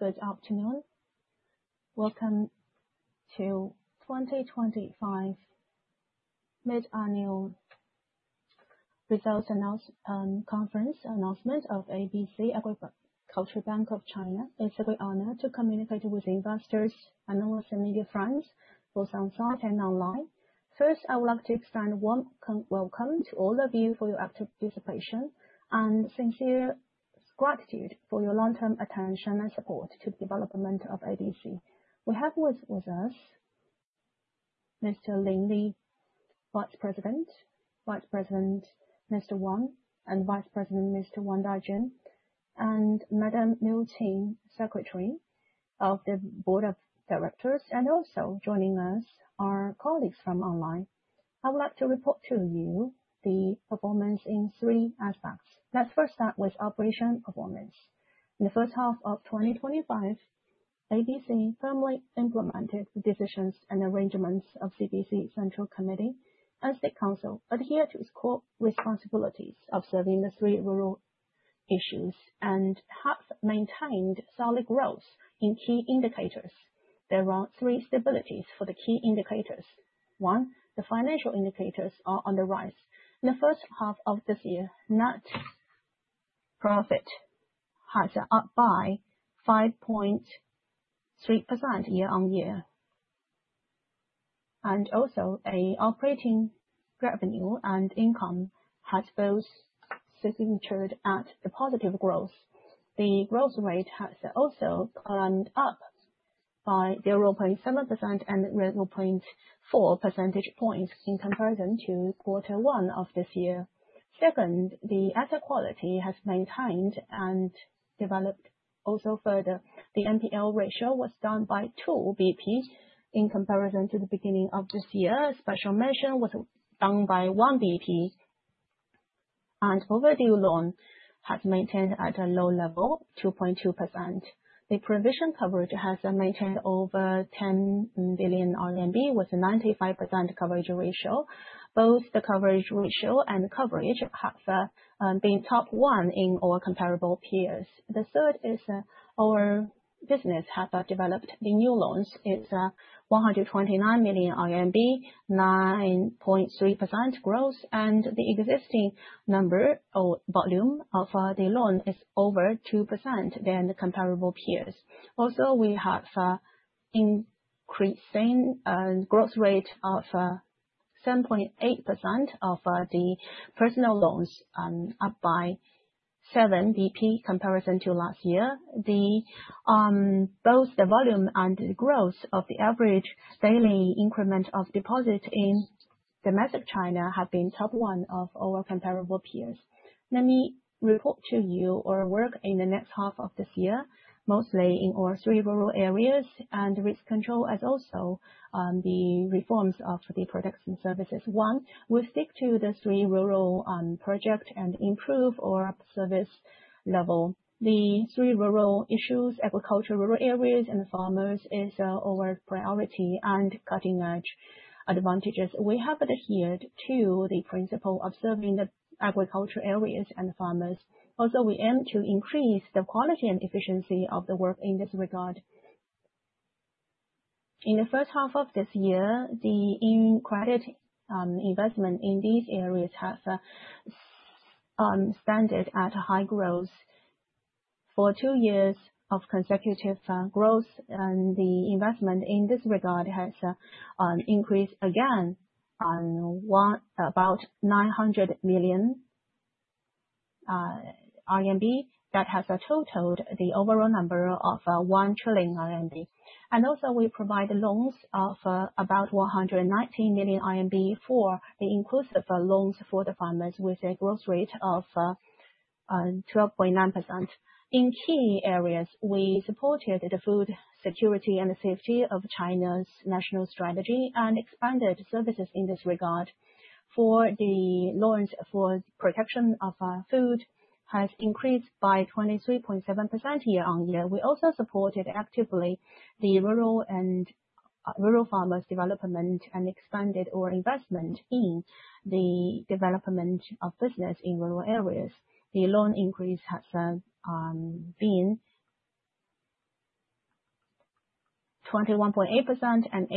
Good afternoon. Welcome to 2025 mid-annual results conference announcement of ABC Agricultural Bank of China. It's a great honor to communicate with investors and our media friends both on site and online. First, I would like to extend a warm welcome to all of you for your active participation and sincere gratitude for your long-term attention and support to the development of ABC. We have with us Mr. Lin Li, Vice President, Vice President Mr. Wang, and Vice President Mr. Wang Dajun, and Madam Liu Qing, Secretary of the Board of Directors, and also joining us are colleagues from online. I would like to report to you the performance in three aspects. Let's first start with operation performance. In the first half of 2025, ABC firmly implemented the decisions and arrangements of CPC Central Committee and State Council, adhered to its core responsibilities of serving the Three Rural Issues, and has maintained solid growth in key indicators. There are Three Stabilities for the key indicators. One, the financial indicators are on the rise. In the first half of this year, net profit has upped by 5.3% year-on-year. And also, operating revenue and income have both signified at the positive growth. The growth rate has also climbed up by 0.7% and 0.4 percentage points in comparison to quarter one of this year. Second, the asset quality has maintained and developed also further. The NPL ratio was down by 2 basis points in comparison to the beginning of this year. Special mention was down by 1 basis point. And overdue loan has maintained at a low level, 2.2%. The provision coverage has maintained over 10 billion RMB with a 95% coverage ratio. Both the coverage ratio and coverage have been top one in all comparable peers. The third is our business has developed. The new loans is 129 million RMB, 9.3% growth, and the existing number or volume of the loan is over 2% than comparable peers. Also, we have an increasing growth rate of 7.8% of the personal loans up by 7 basis points comparison to last year. Both the volume and the growth of the average daily increment of deposit in domestic China have been top one of all comparable peers. Let me report to you our work in the next half of this year, mostly in our Three Rural areas and risk control, as also the reforms of the production services. One, we stick to the Three Rural projects and improve our service level. The Three Rural Issues, agriculture, rural areas, and farmers is our priority and cutting-edge advantages. We have adhered to the principle of serving the agricultural areas and farmers. Also, we aim to increase the quality and efficiency of the work in this regard. In the first half of this year, the inclusive credit investment in these areas has sustained high growth for two years of consecutive growth, and the investment in this regard has increased again on about 900 million RMB that has totaled the overall number of 1 trillion RMB, and also we provide loans of about 119 million RMB for the inclusive loans for the farmers with a growth rate of 12.9%. In key areas, we supported the food security and the safety of China's national strategy and expanded services in this regard. For the loans for protection of food, it has increased by 23.7% year-on-year. We also supported actively the rural farmers' development and expanded our investment in the development of business in rural areas. The loan increase has been 21.8% and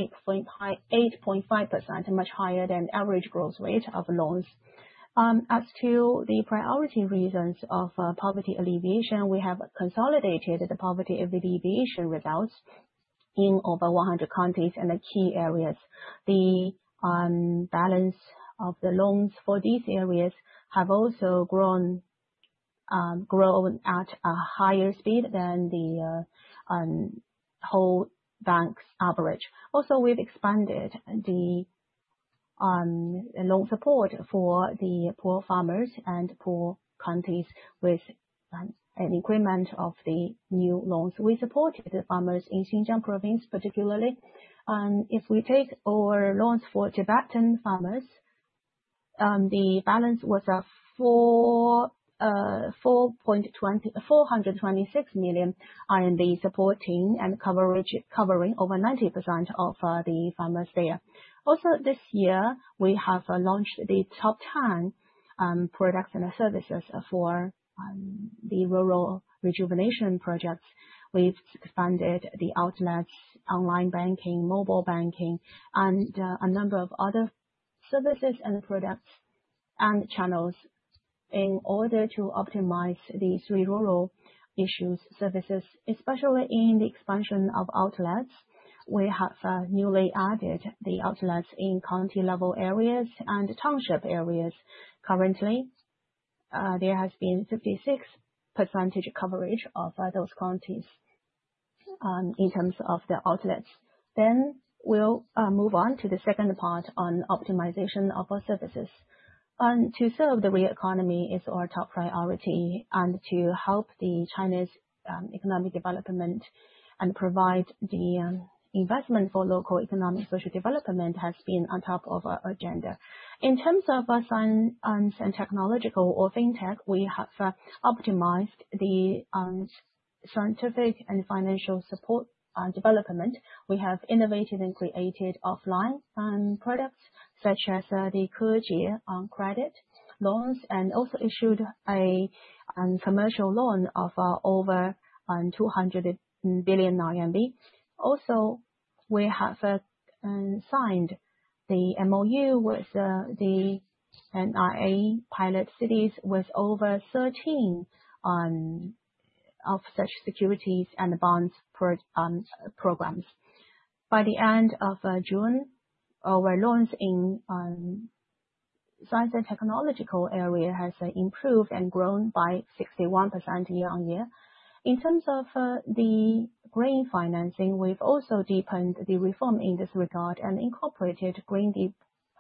8.5%, much higher than average growth rate of loans. As to the priority regions of poverty alleviation, we have consolidated the poverty alleviation results in over 100 counties and key areas. The balance of the loans for these areas have also grown at a higher speed than the whole bank's average. Also, we've expanded the loan support for the poor farmers and poor counties with an increment of the new loans. We supported the farmers in Xinjiang Province, particularly. If we take our loans for Tibetan farmers, the balance was 426 million, supporting and covering over 90% of the farmers there. Also, this year, we have launched the top 10 products and services for the Rural Rejuvenation projects. We've expanded the outlets, online banking, mobile banking, and a number of other services and products and channels in order to optimize the Three Rural Issues services. Especially in the expansion of outlets, we have newly added the outlets in county-level areas and township areas. Currently, there has been 56% coverage of those counties in terms of the outlets, then we'll move on to the second part on optimization of our services. To serve the real economy is our top priority, and to help the Chinese economic development and provide the investment for local economic social development has been on top of our agenda. In terms of science and technological or fintech, we have optimized the scientific and financial support development. We have innovated and created offline products such as the Bao Jie credit loans and also issued a commercial loan of over 200 billion RMB. Also, we have signed the MOU with the NIA pilot cities with over 13 of such securities and bonds programs. By the end of June, our loans in science and technological area has improved and grown by 61% year-on-year. In terms of the green financing, we've also deepened the reform in this regard and incorporated green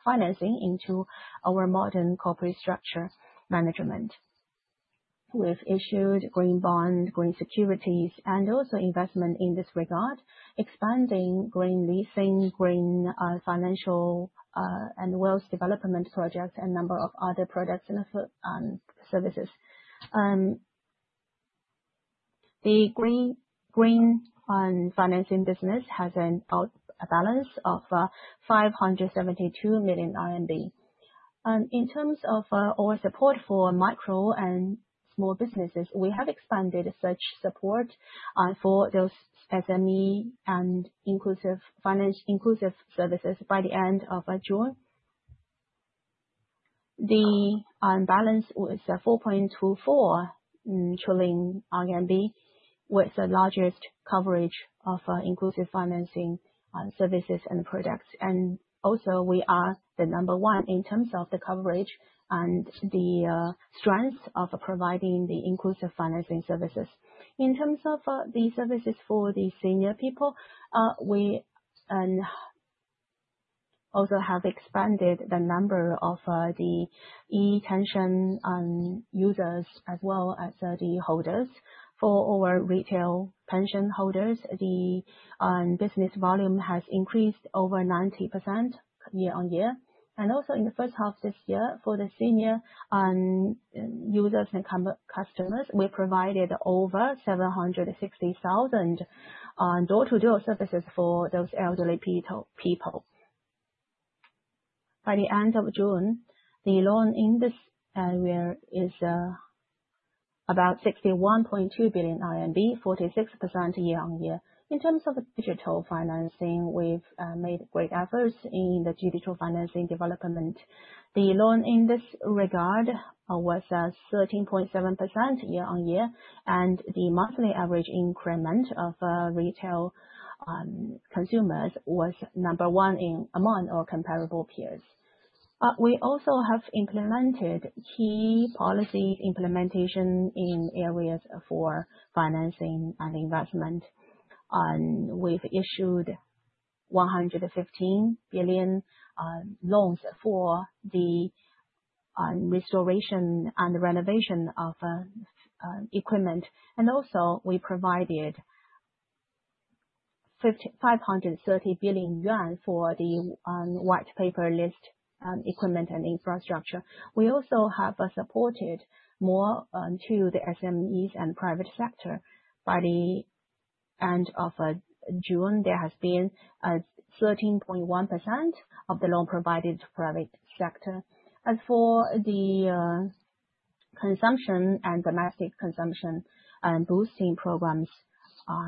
financing into our modern corporate structure management. We've issued green bond, green securities, and also investment in this regard, expanding green leasing, green financial and wealth development projects, and a number of other products and services. The green financing business has a balance of 572 million RMB. In terms of our support for micro and small businesses, we have expanded such support for those SME and inclusive services by the end of June. The balance was 4.24 trillion RMB with the largest coverage of inclusive financing services and products. We are the number one in terms of the coverage and the strength of providing the inclusive financing services. In terms of the services for the senior people, we also have expanded the number of the E-pension users as well as the holders. For our retail pension holders, the business volume has increased over 90% year-on-year. In the first half of this year, for the senior users and customers, we provided over 760,000 door-to-door services for those elderly people. By the end of June, the loan in this area is about 61.2 billion RMB, 46% year-on-year. In terms of digital financing, we've made great efforts in the digital financing development. The loan in this regard was 13.7% year-on-year, and the monthly average increment of retail consumers was number one among our comparable peers. We also have implemented key policy implementation in areas for financing and investment. We've issued 115 billion in loans for the restoration and renovation of equipment. And also, we provided 530 billion yuan for the White List equipment and infrastructure. We also have supported more to the SMEs and private sector. By the end of June, there has been 13.1% of the loan provided to the private sector. As for the consumption and domestic consumption and boosting programs,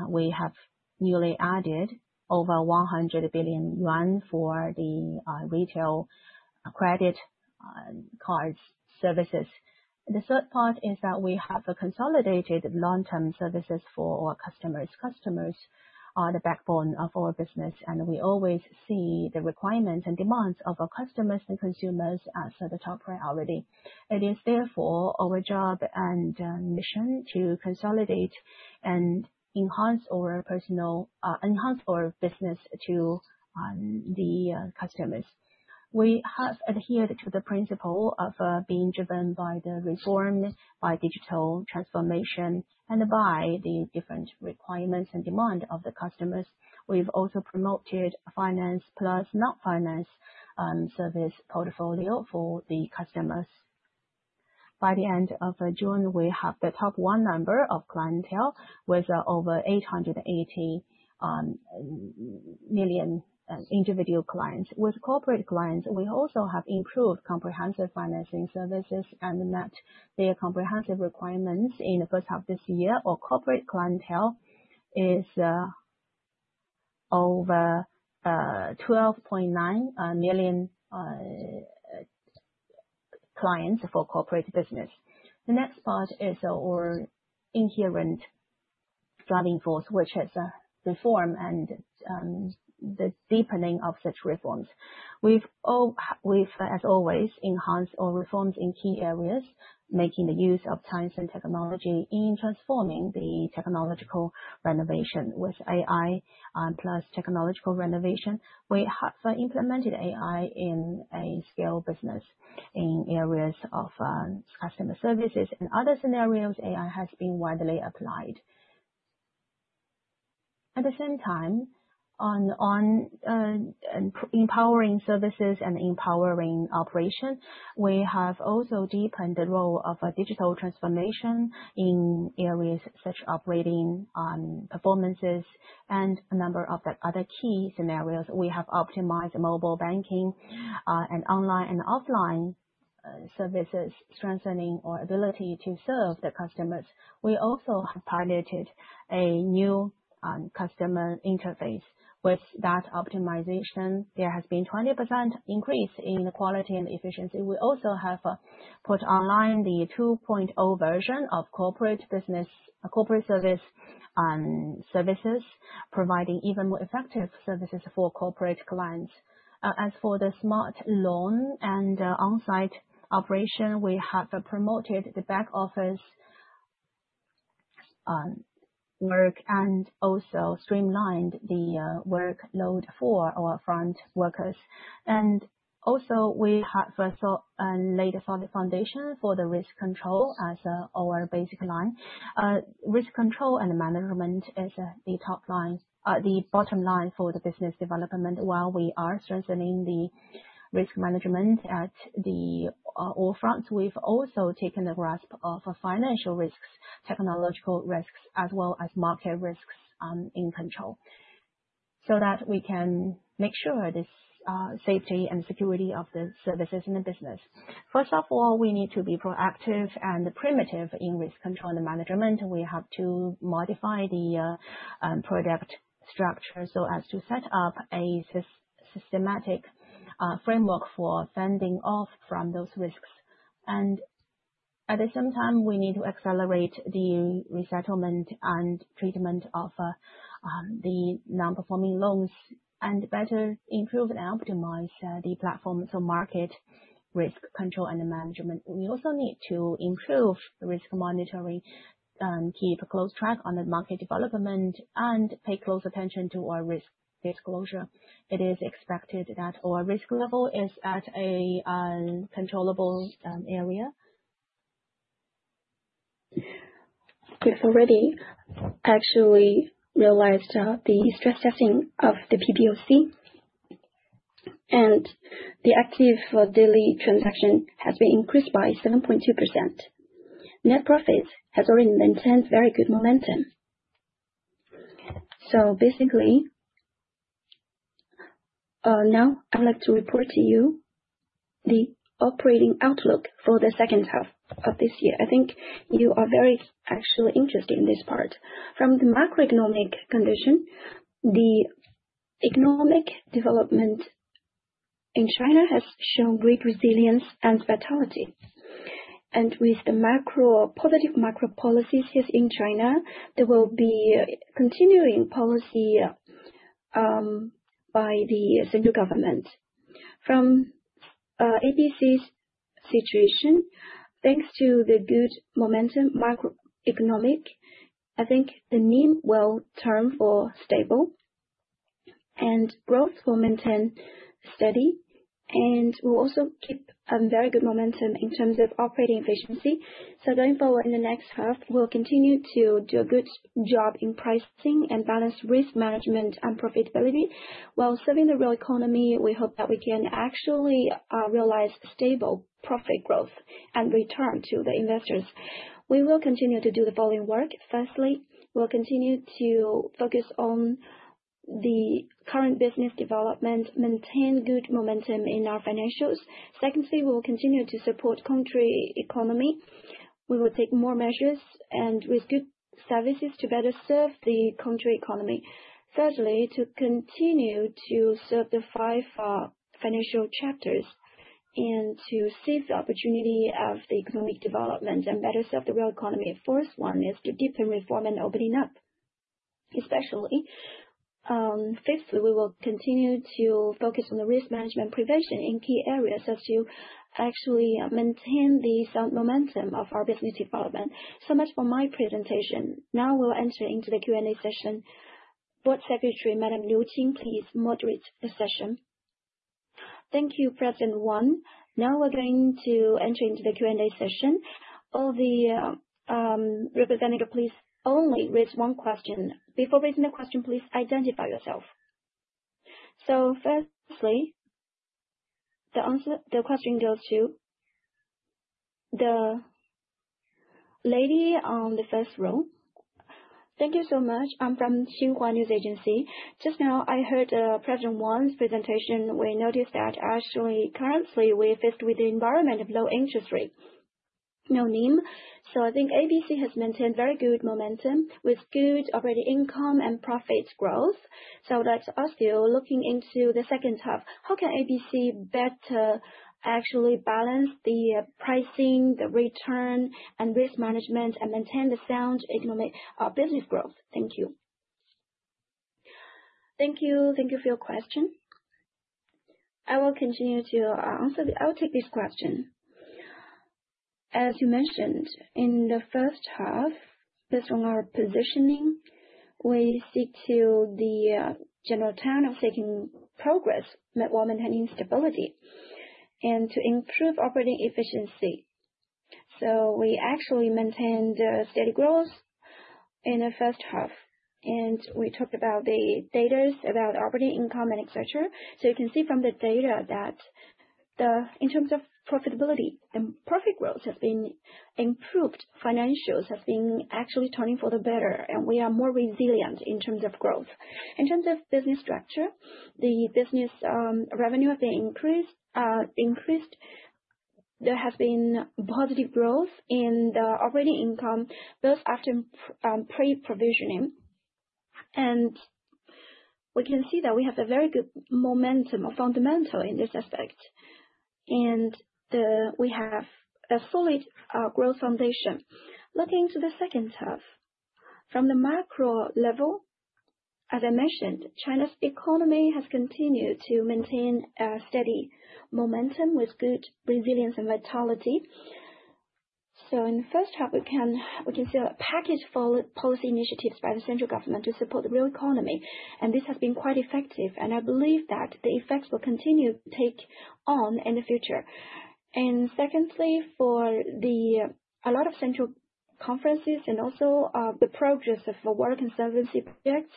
we have newly added over 100 billion yuan for the retail credit cards services. The third part is that we have consolidated long-term services for our customers. Customers are the backbone of our business, and we always see the requirements and demands of our customers and consumers as the top priority. It is therefore our job and mission to consolidate and enhance our business to the customers. We have adhered to the principle of being driven by the reform, by digital transformation, and by the different requirements and demand of the customers. We've also promoted finance plus non-finance service portfolio for the customers. By the end of June, we have the top one number of clientele with over 880 million individual clients. With corporate clients, we also have improved comprehensive financing services and met their comprehensive requirements in the first half of this year. Our corporate clientele is over 12.9 million clients for corporate business. The next part is our inherent driving force, which is reform and the deepening of such reforms. We've, as always, enhanced our reforms in key areas, making the use of science and technology in transforming the technological renovation with AI plus technological renovation. We have implemented AI in a scale business in areas of customer services. In other scenarios, AI has been widely applied. At the same time, on empowering services and empowering operations, we have also deepened the role of digital transformation in areas such as operating performances and a number of other key scenarios. We have optimized mobile banking and online and offline services, strengthening our ability to serve the customers. We also have piloted a new customer interface. With that optimization, there has been a 20% increase in the quality and efficiency. We also have put online the 2.0 version of corporate services, providing even more effective services for corporate clients. As for the smart loan and onsite operation, we have promoted the back office work and also streamlined the workload for our front workers, and also, we have laid a solid foundation for the risk control as our basic line. Risk control and management is the bottom line for the business development. While we are strengthening the risk management at the forefront, we've also taken a grasp of financial risks, technological risks, as well as market risks in control so that we can make sure the safety and security of the services in the business. First of all, we need to be proactive and preemptive in risk control and management. We have to modify the product structure so as to set up a systematic framework for fending off from those risks, and at the same time, we need to accelerate the resettlement and treatment of the non-performing loans and better improve and optimize the platform to market risk control and management. We also need to improve risk monitoring and keep a close track on the market development and pay close attention to our risk disclosure. It is expected that our risk level is at a controllable area. We've already actually realized the stress testing of the PBOC, and the active daily transaction has been increased by 7.2%. Net profit has already maintained very good momentum. So basically, now I'd like to report to you the operating outlook for the second half of this year. I think you are very actually interested in this part. From the macroeconomic condition, the economic development in China has shown great resilience and vitality, and with the positive macro policies here in China, there will be continuing policy by the central government. From ABC's situation, thanks to the good momentum macroeconomic, I think the NIM will turn for stable and growth will maintain steady, and we'll also keep a very good momentum in terms of operating efficiency. Going forward in the next half, we'll continue to do a good job in pricing and balance risk management and profitability. While serving the real economy, we hope that we can actually realize stable profit growth and return to the investors. We will continue to do the following work. Firstly, we'll continue to focus on the current business development, maintain good momentum in our financials. Secondly, we will continue to support the country's economy. We will take more measures and risk-based services to better serve the country's economy. Thirdly, to continue to serve the Five Financial Chapters and to seize the opportunity of the economic development and better serve the real economy. First one is to deepen reform and opening up, especially. Fifthly, we will continue to focus on the risk management prevention in key areas as to actually maintain the sound momentum of our business development. So much for my presentation. Now we'll enter into the Q&A session. Board Secretary Madam Liu Qing, please moderate the session. Thank you, President Wang. Now we're going to enter into the Q&A session. All the representatives, please only raise one question. Before raising the question, please identify yourself. So firstly, the question goes to the lady on the first row. Thank you so much. I'm from Xinhua News Agency. Just now, I heard President Wang's presentation. We noticed that actually, currently, we're faced with the environment of low interest rate, no NIM. So I think ABC has maintained very good momentum with good operating income and profit growth. So that's us still looking into the second half. How can ABC better actually balance the pricing, the return, and risk management and maintain the sound economic business growth? Thank you. Thank you. Thank you for your question. I'll take this question. As you mentioned, in the first half, based on our positioning, we seek to the general trend of taking progress while maintaining stability and to improve operating efficiency, so we actually maintained steady growth in the first half. We talked about the data about operating income and etc. You can see from the data that in terms of profitability, the profit growth has been improved. Financials have been actually turning for the better, and we are more resilient in terms of growth. In terms of business structure, the business revenue has been increased. There has been positive growth in the operating income both after pre-provisioning, and we can see that we have a very good momentum or fundamental in this aspect. We have a solid growth foundation. Looking to the second half, from the macro level, as I mentioned, China's economy has continued to maintain a steady momentum with good resilience and vitality, so in the first half, we can see a package for policy initiatives by the central government to support the real economy, and this has been quite effective, and I believe that the effects will continue to take on in the future, and secondly, for a lot of central conferences and also the progress of the water conservancy projects,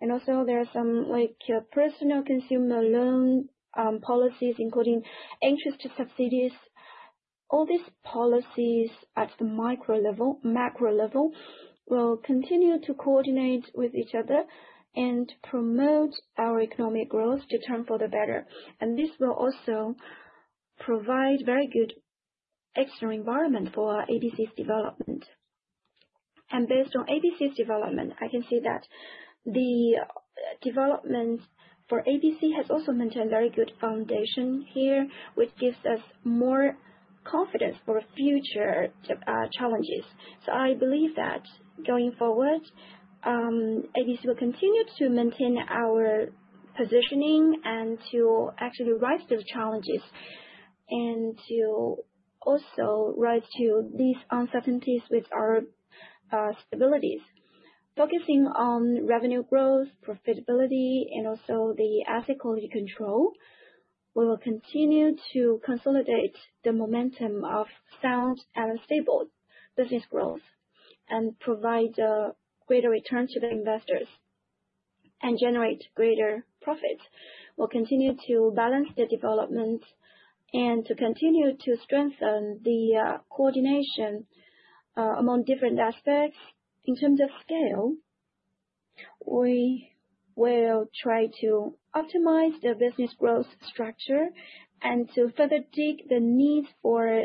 and also, there are some personal consumer loan policies, including interest subsidies. All these policies at the macro level will continue to coordinate with each other and promote our economic growth to turn for the better, and this will also provide a very good external environment for ABC's development. And based on ABC's development, I can see that the development for ABC has also maintained a very good foundation here, which gives us more confidence for future challenges. So I believe that going forward, ABC will continue to maintain our positioning and to actually rise to the challenges and to also rise to these uncertainties with our stabilities. Focusing on revenue growth, profitability, and also the asset quality control, we will continue to consolidate the momentum of sound and stable business growth and provide greater returns to the investors and generate greater profits. We'll continue to balance the development and to continue to strengthen the coordination among different aspects. In terms of scale, we will try to optimize the business growth structure and to further dig the needs for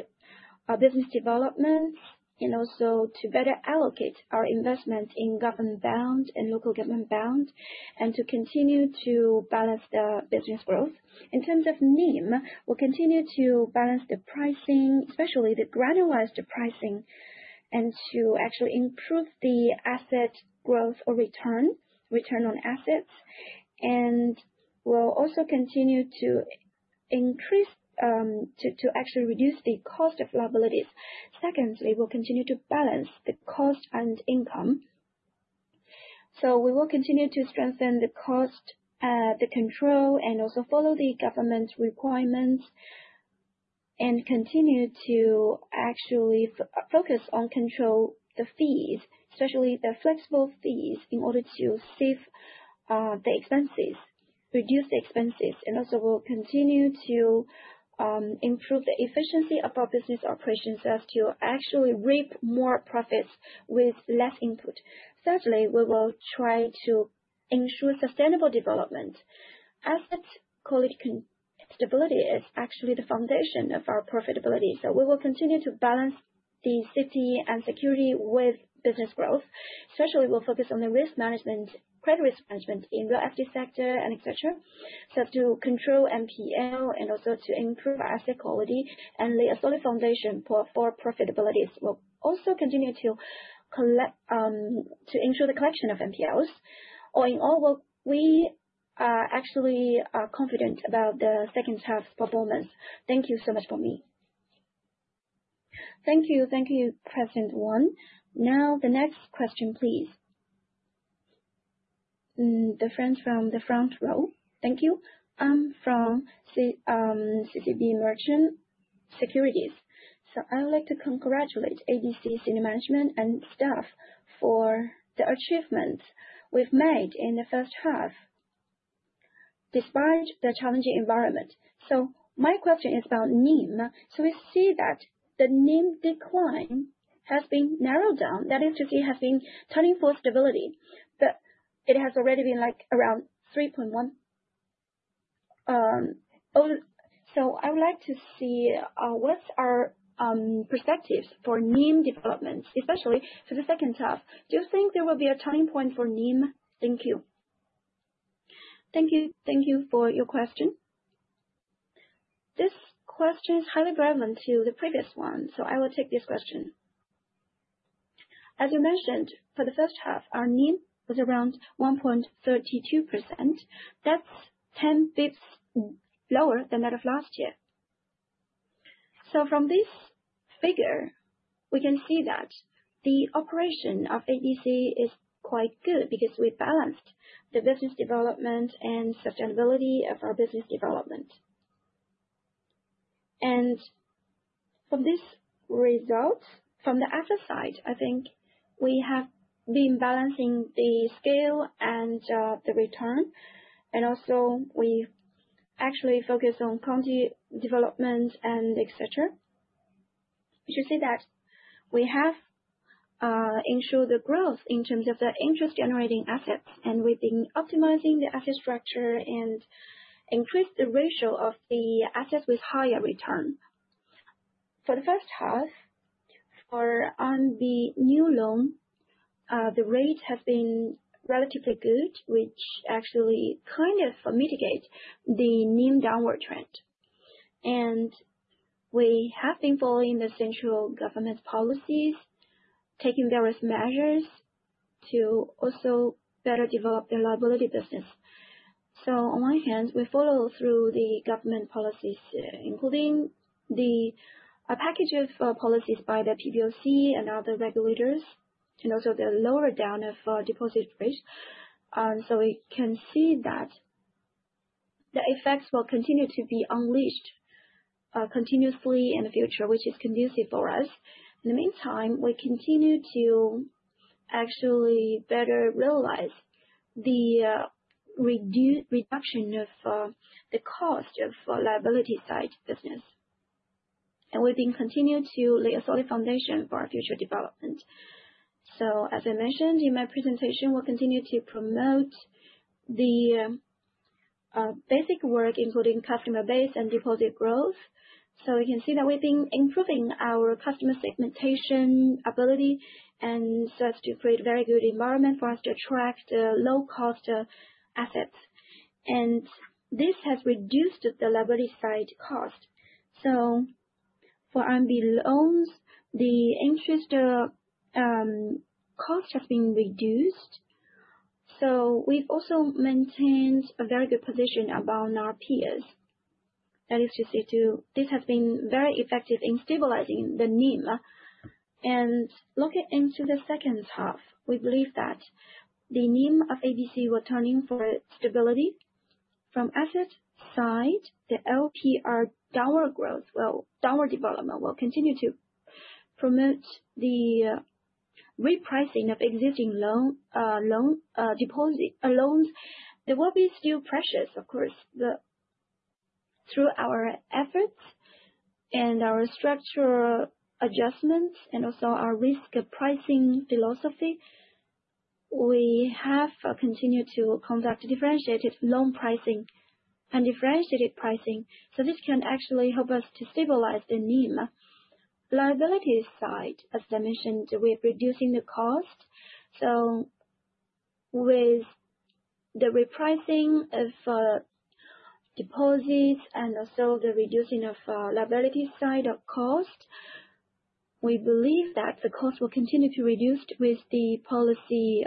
business development and also to better allocate our investments in government bonds and local government bonds and to continue to balance the business growth. In terms of NIM, we'll continue to balance the pricing, especially the granularized pricing, and to actually improve the asset growth or return on assets, and we'll also continue to increase to actually reduce the cost of liabilities. Secondly, we'll continue to balance the cost and income, so we will continue to strengthen the cost control, and also follow the government's requirements and continue to actually focus on controlling the fees, especially the flexible fees, in order to save the expenses, reduce the expenses, and also, we'll continue to improve the efficiency of our business operations as to actually reap more profits with less input. Thirdly, we will try to ensure sustainable development. Asset quality stability is actually the foundation of our profitability. So we will continue to balance the safety and security with business growth. Especially, we'll focus on the risk management, credit risk management in the real estate sector, and etc. So, to control NPL and also to improve asset quality and lay a solid foundation for profitability. We'll also continue to ensure the collection of NPLs. All in all, we are actually confident about the second half's performance. Thank you so much for me. Thank you. Thank you, President Wang. Now, the next question, please. The friends from the front row. Thank you. I'm from China Merchants Securities. So I would like to congratulate ABC's senior management and staff for the achievements we've made in the first half despite the challenging environment. So my question is about NIM. So we see that the NIM decline has been narrowed down. That is to say, it has been turning for stability, but it has already been like around 3.1. So I would like to see what are perspectives for NIM development, especially for the second half. Do you think there will be a turning point for NIM? Thank you. Thank you. Thank you for your question. This question is highly relevant to the previous one. So I will take this question. As you mentioned, for the first half, our NIM was around 1.32%. That's 10 basis points lower than that of last year. So from this figure, we can see that the operation of ABC is quite good because we balanced the business development and sustainability of our business development. And from this result, from the after side, I think we have been balancing the scale and the return. And also, we actually focus on county development and etc. You should see that we have ensured the growth in terms of the interest-generating assets, and we've been optimizing the asset structure and increased the ratio of the assets with higher return. For the first half, on the new loan, the rate has been relatively good, which actually kind of mitigates the NIM downward trend. And we have been following the central government's policies, taking various measures to also better develop the liability business. So on one hand, we follow through the government policies, including a package of policies by the PBOC and other regulators, and also the lowering of deposit rate. So we can see that the effects will continue to be unleashed continuously in the future, which is conducive for us. In the meantime, we continue to actually better realize the reduction of the cost of liability side business, and we've been continuing to lay a solid foundation for our future development, so as I mentioned in my presentation, we'll continue to promote the basic work, including customer base and deposit growth, so you can see that we've been improving our customer segmentation ability and so as to create a very good environment for us to attract low-cost assets, and this has reduced the liability side cost, so for RMB loans, the interest cost has been reduced, so we've also maintained a very good position among our peers. That is to say, this has been very effective in stabilizing the NIM, and looking into the second half, we believe that the NIM of ABC will turn in for stability. From asset side, the LPR downward development will continue to promote the repricing of existing loans. They will be still pressured, of course, through our efforts and our structural adjustments and also our risk-pricing philosophy. We have continued to conduct differentiated loan pricing and differentiated pricing. So this can actually help us to stabilize the NIM. Liability side, as I mentioned, we are reducing the cost. So with the repricing of deposits and also the reducing of liability side of cost, we believe that the cost will continue to reduce with the policy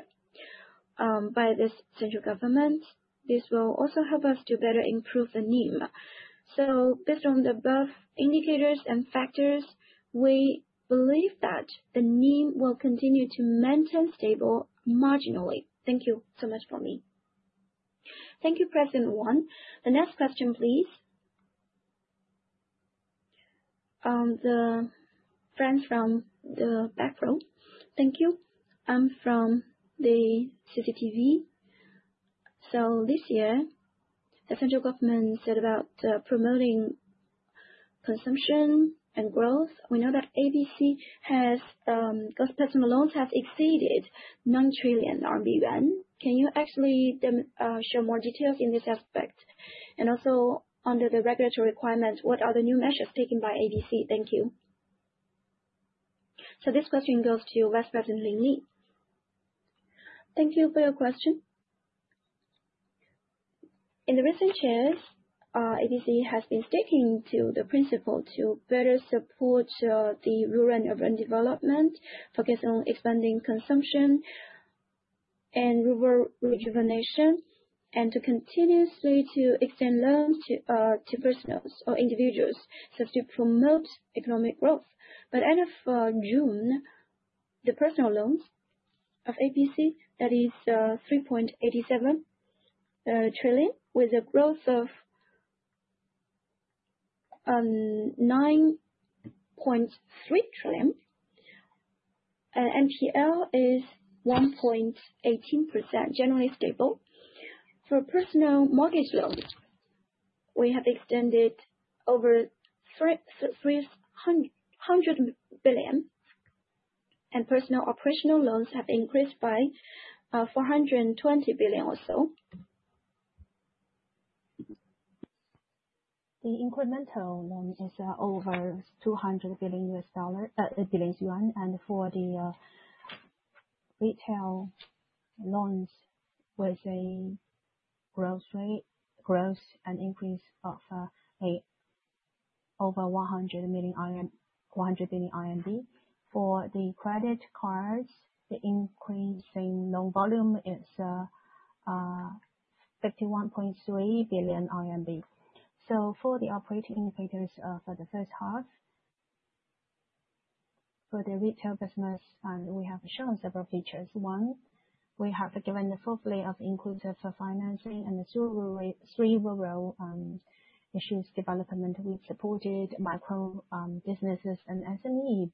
by the central government. This will also help us to better improve the NIM. So based on the above indicators and factors, we believe that the NIM will continue to maintain stable marginally. Thank you so much for me. Thank you, President Wang. The next question, please. The friends from the back row. Thank you. I'm from the CCTV. So this year, the central government said about promoting consumption and growth. We know that ABC's personal loans have exceeded 9 trillion yuan. Can you actually show more details in this aspect? And also, under the regulatory requirements, what are the new measures taken by ABC? Thank you. So this question goes to Vice President Lin Li. Thank you for your question. In the recent years, ABC has been sticking to the principle to better support the rural and urban development, focus on expanding consumption and Rural Rejuvenation, and to continuously extend loans to personals or individuals so as to promote economic growth. By the end of June, the personal loans of ABC, that is 3.87 trillion, with a growth of CNY 9.3 trillion. NPL is 1.18%, generally stable. For personal mortgage loans, we have extended over 300 billion, and personal operational loans have increased by 420 billion or so. The incremental loan is over $200 billion US dollars, billion yuan, and for the retail loans, with a growth rate and increase of over 100 million for the credit cards, the increasing loan volume is 51.3 billion RMB. So for the operating indicators for the first half, for the retail business, we have shown several features. One, we have given the full play of inclusive financing and the Three Rural Issues development. We've supported micro businesses and SMEs,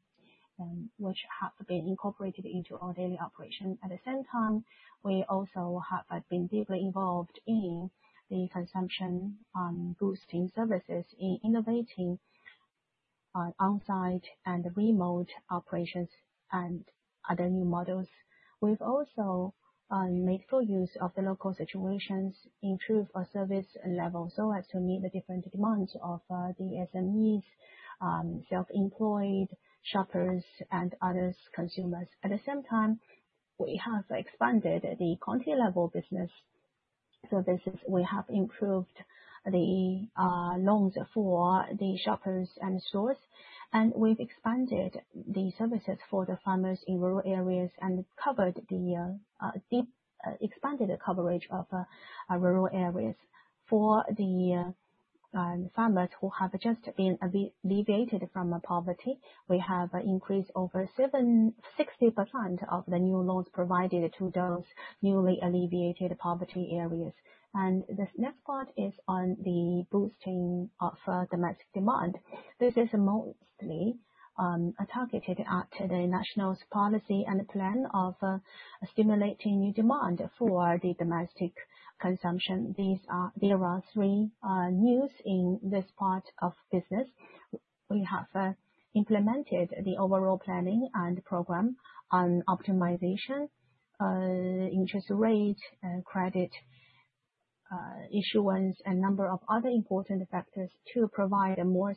which have been incorporated into our daily operation. At the same time, we also have been deeply involved in the consumption boosting services in innovating onsite and remote operations and other new models. We've also made full use of the local situations, improved our service level so as to meet the different demands of the SMEs, self-employed shoppers, and other consumers. At the same time, we have expanded the quantity level business services. We have improved the loans for the shoppers and stores, and we've expanded the services for the farmers in rural areas and expanded the coverage of rural areas. For the farmers who have just been alleviated from poverty, we have increased over 60% of the new loans provided to those newly alleviated poverty areas. And this next part is on the boosting of domestic demand. This is mostly targeted at the national policy and plan of stimulating new demand for the domestic consumption. There are three news in this part of business. We have implemented the overall planning and program on optimization, interest rate, credit issuance, and a number of other important factors to provide more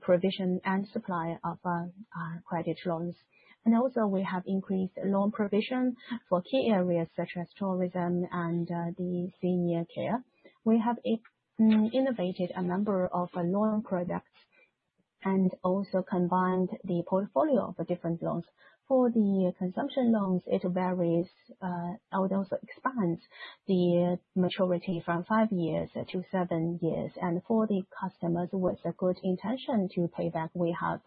provision and supply of credit loans, and also we have increased loan provision for key areas such as tourism and the senior care. We have innovated a number of loan products and also combined the portfolio of different loans. For the consumption loans, it varies, although it expands the maturity from five years to seven years, and for the customers with a good intention to pay back, we have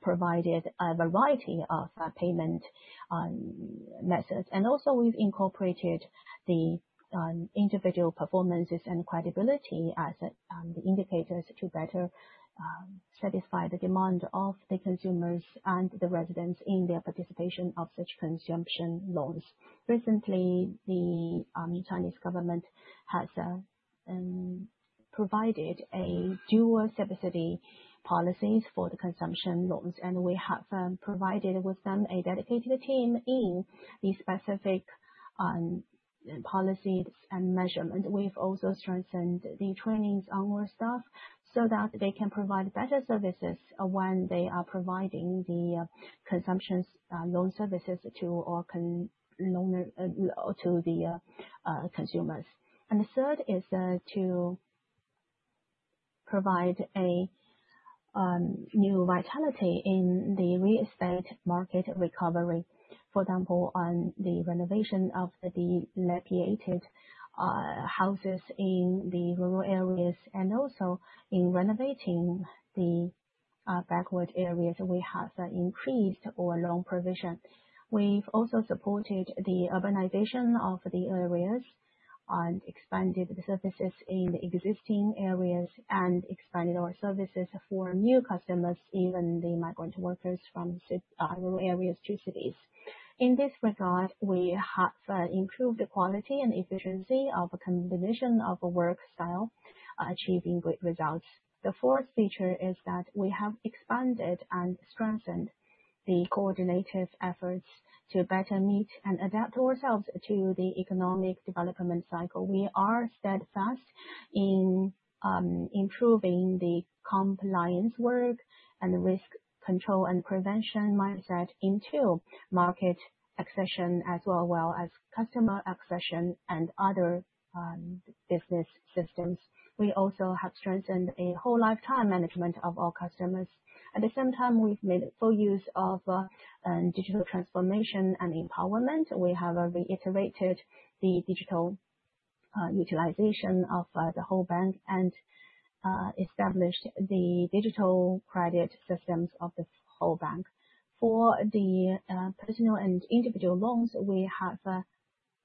provided a variety of payment methods, and also we've incorporated the individual performances and credibility as the indicators to better satisfy the demand of the consumers and the residents in their participation of such consumption loans. Recently, the Chinese government has provided dual subsidy policies for the consumption loans, and we have provided with them a dedicated team in the specific policies and measurement. We've also strengthened the trainings on our staff so that they can provide better services when they are providing the consumption loan services to the consumers. And the third is to provide a new vitality in the real estate market recovery. For example, on the renovation of the dilapidated houses in the rural areas and also in renovating the backward areas, we have increased our loan provision. We've also supported the urbanization of the areas and expanded the services in the existing areas and expanded our services for new customers, even the migrant workers from rural areas to cities. In this regard, we have improved the quality and efficiency of the combination of work style, achieving great results. The fourth feature is that we have expanded and strengthened the coordinative efforts to better meet and adapt ourselves to the economic development cycle. We are steadfast in improving the compliance work and risk control and prevention mindset into market acquisition as well as customer acquisition and other business systems. We also have strengthened a whole life time management of our customers. At the same time, we've made full use of digital transformation and empowerment. We have reiterated the digital utilization of the whole bank and established the digital credit systems of the whole bank. For the personal and individual loans, we have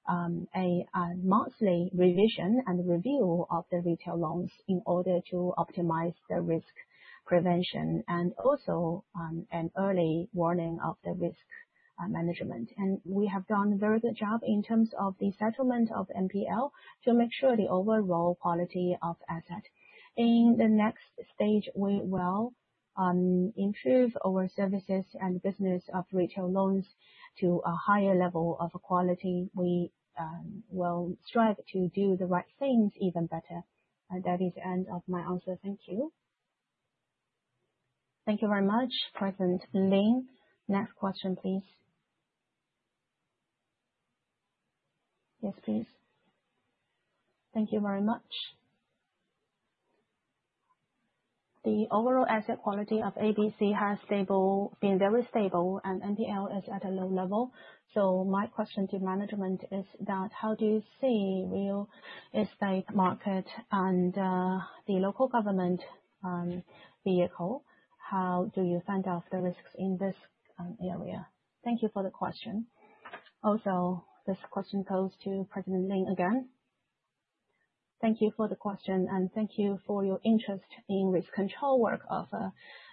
a monthly revision and review of the retail loans in order to optimize the risk prevention and also an early warning of the risk management. We have done a very good job in terms of the settlement of NPL to make sure the overall quality of assets. In the next stage, we will improve our services and business of retail loans to a higher level of quality. We will strive to do the right things even better. That is the end of my answer. Thank you. Thank you very much, Vice President Lin. Next question, please. Yes, please. Thank you very much. The overall asset quality of ABC has been very stable, and NPL is at a low level. So, my question to management is that how do you see real estate market and the local government vehicle? How do you find out the risks in this area? Thank you for the question. Also, this question goes to President Lin again. Thank you for the question, and thank you for your interest in risk control work of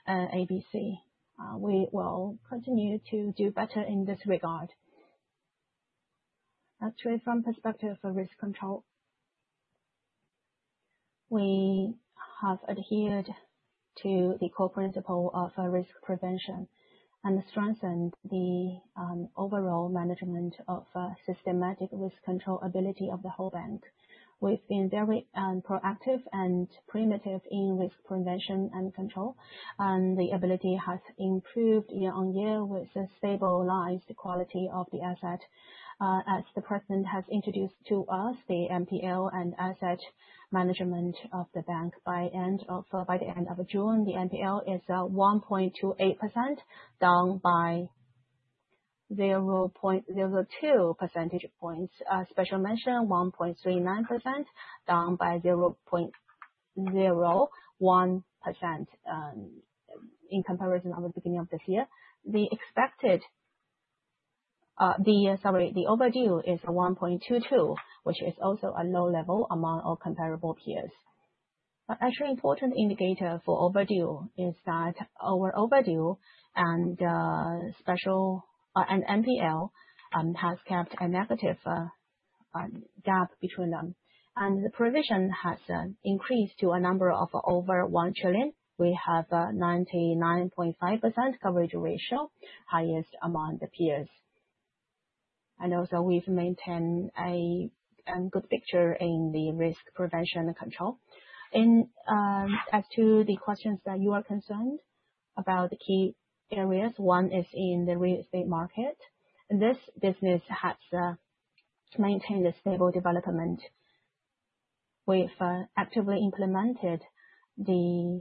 ABC. We will continue to do better in this regard. Actually, from the perspective of risk control, we have adhered to the core principle of risk prevention and strengthened the overall management of systemic risk control ability of the whole bank. We've been very proactive and preemptive in risk prevention and control, and the ability has improved year-on-year with stabilized quality of the asset. As the President has introduced to us the NPL and asset management of the bank, by the end of June, the NPL is 1.28%, down by 0.02 percentage points. Special mention, 1.39%, down by 0.01% in comparison to the beginning of this year. The overdue is 1.22%, which is also a low level among our comparable peers. Actually, an important indicator for overdue is that our overdue and NPL has kept a negative gap between them. The provision has increased to a number of over 1 trillion. We have a 99.5% coverage ratio, highest among the peers. And also, we've maintained a good picture in the risk prevention and control. As to the questions that you are concerned about the key areas, one is in the real estate market. This business has maintained a stable development. We've actively implemented the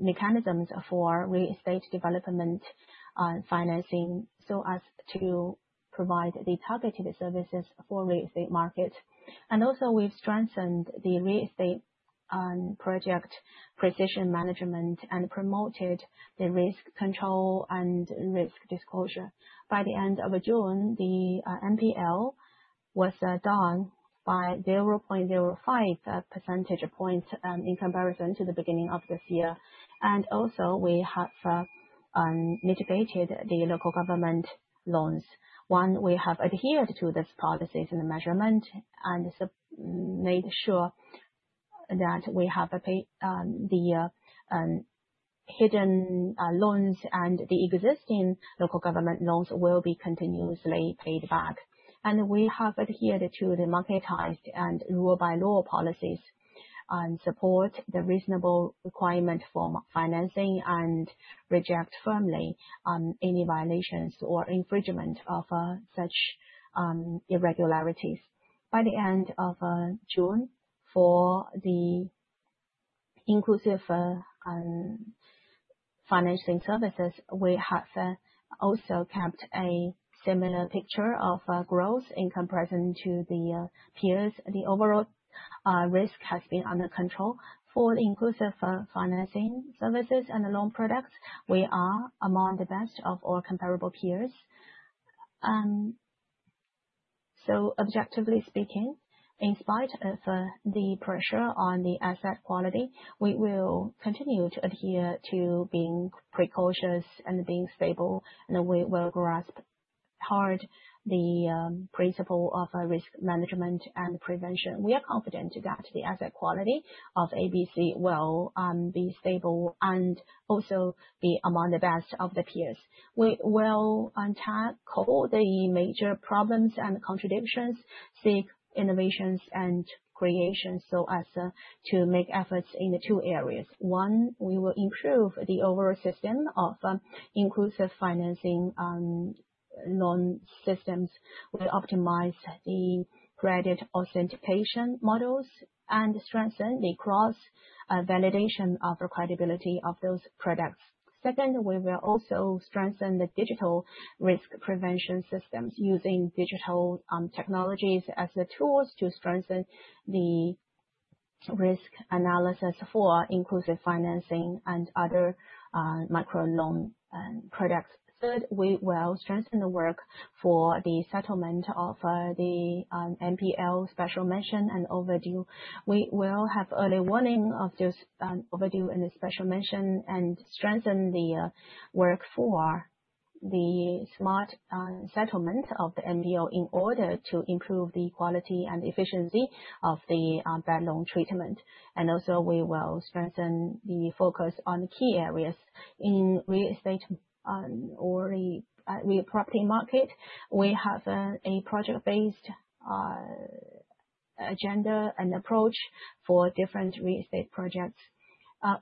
mechanisms for real estate development financing so as to provide the targeted services for the real estate market. And also, we've strengthened the real estate project precision management and promoted the risk control and risk disclosure. By the end of June, the NPL was down by 0.05 percentage points in comparison to the beginning of this year. And also, we have mitigated the local government loans. One, we have adhered to this policy and the measurement and made sure that we have the hidden loans and the existing local government loans will be continuously paid back. We have adhered to the marketized and rule-by-law policies and support the reasonable requirement for financing and reject firmly any violations or infringement of such irregularities. By the end of June, for the inclusive financing services, we have also kept a similar picture of growth in comparison to the peers. The overall risk has been under control. For the inclusive financing services and the loan products, we are among the best of our comparable peers. Objectively speaking, in spite of the pressure on the asset quality, we will continue to adhere to being precautious and being stable, and we will grasp hard the principle of risk management and prevention. We are confident that the asset quality of ABC will be stable and also be among the best of the peers. We will tackle the major problems and contradictions, seek innovations and creations so as to make efforts in the two areas. One, we will improve the overall system of Inclusive Finance loan systems. We optimize the credit authentication models and strengthen the cross-validation of credibility of those products. Second, we will also strengthen the digital risk prevention systems using digital technologies as tools to strengthen the risk analysis for Inclusive Finance and other micro loan products. Third, we will strengthen the work for the settlement of the NPL special mention and overdue. We will have early warning of those overdue and special mention and strengthen the work for the smart settlement of the NPL in order to improve the quality and efficiency of the bad loan treatment, and also, we will strengthen the focus on key areas in real estate or the real property market. We have a project-based agenda and approach for different real estate projects.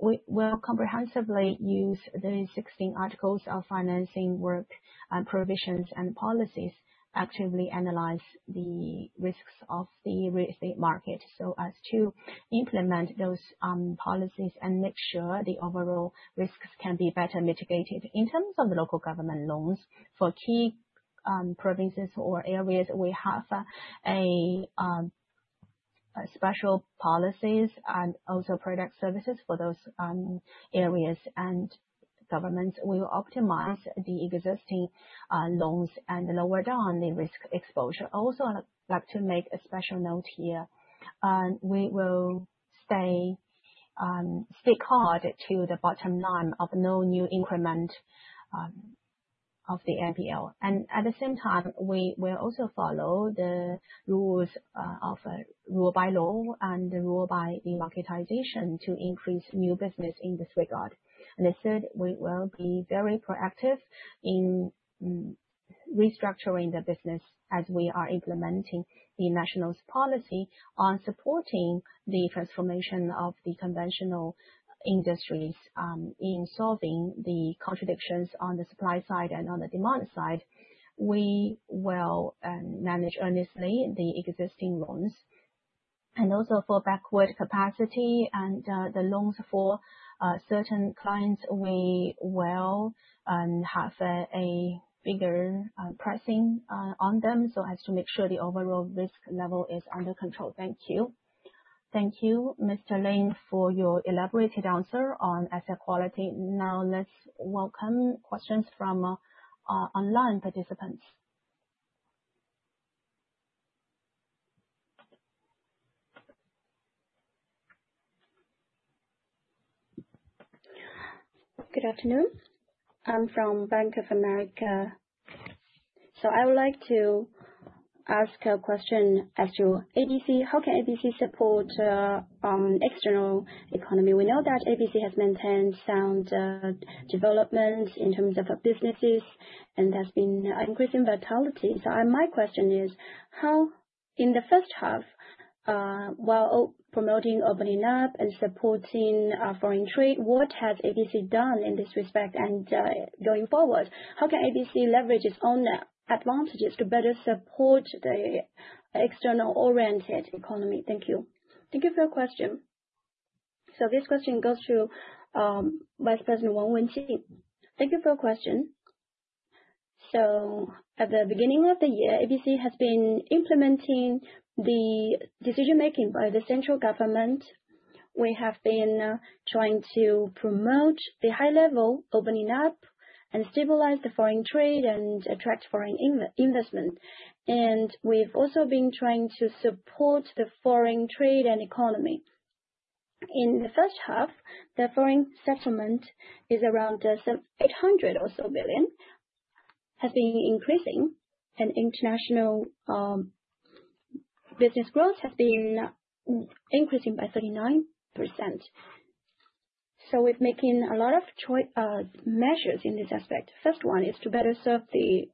We will comprehensively use the 16 articles of financing work and provisions and policies, actively analyze the risks of the real estate market so as to implement those policies and make sure the overall risks can be better mitigated. In terms of the local government loans for key provinces or areas, we have special policies and also product services for those areas and governments. We will optimize the existing loans and lower down the risk exposure. Also, I'd like to make a special note here. We will stick hard to the bottom line of no new increment of the NPL. And at the same time, we will also follow the rules of rule-by-law and rule-by-marketization to increase new business in this regard. And third, we will be very proactive in restructuring the business as we are implementing the national policy on supporting the transformation of the conventional industries in solving the contradictions on the supply side and on the demand side. We will manage earnestly the existing loans. And also, for backward capacity and the loans for certain clients, we will have a bigger pricing on them so as to make sure the overall risk level is under control. Thank you. Thank you, Mr. Lin, for your elaborated answer on asset quality. Now, let's welcome questions from online participants. Good afternoon. I'm from Bank of America. So I would like to ask a question as to ABC. How can ABC support external economy? We know that ABC has maintained sound development in terms of businesses, and there's been increasing vitality. So my question is, in the first half, while promoting opening up and supporting foreign trade, what has ABC done in this respect? And going forward, how can ABC leverage its own advantages to better support the external-oriented economy? Thank you. Thank you for your question. So this question goes to Vice President Wang Wenjin. Thank you for your question. So at the beginning of the year, ABC has been implementing the decision-making by the central government. We have been trying to promote the high-level opening up and stabilize the foreign trade and attract foreign investment. And we've also been trying to support the foreign trade and economy. In the first half, the foreign settlement is around 800 billion or so, has been increasing, and international business growth has been increasing by 39%. So we've taken a lot of measures in this aspect. The first one is to better serve the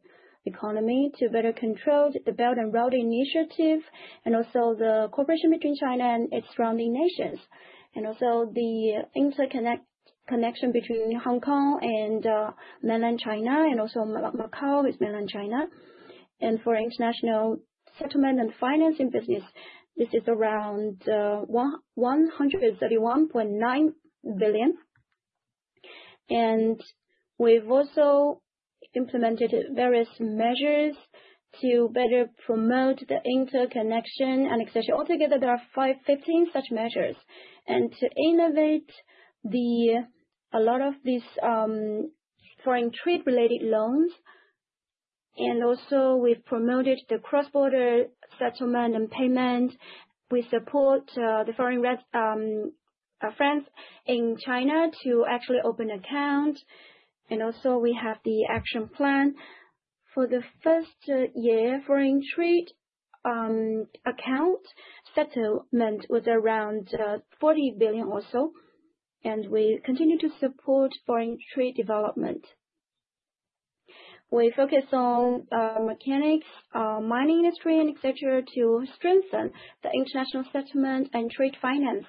economy, to better control the Belt and Road Initiative, and also the cooperation between China and its surrounding nations, and also the interconnection between Hong Kong and mainland China, and also Macau with mainland China. And for international settlement and financing business, this is around 131.9 billion. And we've also implemented various measures to better promote the interconnection and accession. Altogether, there are 15 such measures. And to innovate a lot of these foreign trade-related loans, and also we've promoted the cross-border settlement and payment. We support the foreign friends in China to actually open account. And also, we have the action plan. For the first year, foreign trade account settlement was around 40 billion or so, and we continue to support foreign trade development. We focus on mechanics, mining industry, and etc. to strengthen the international settlement and trade finance.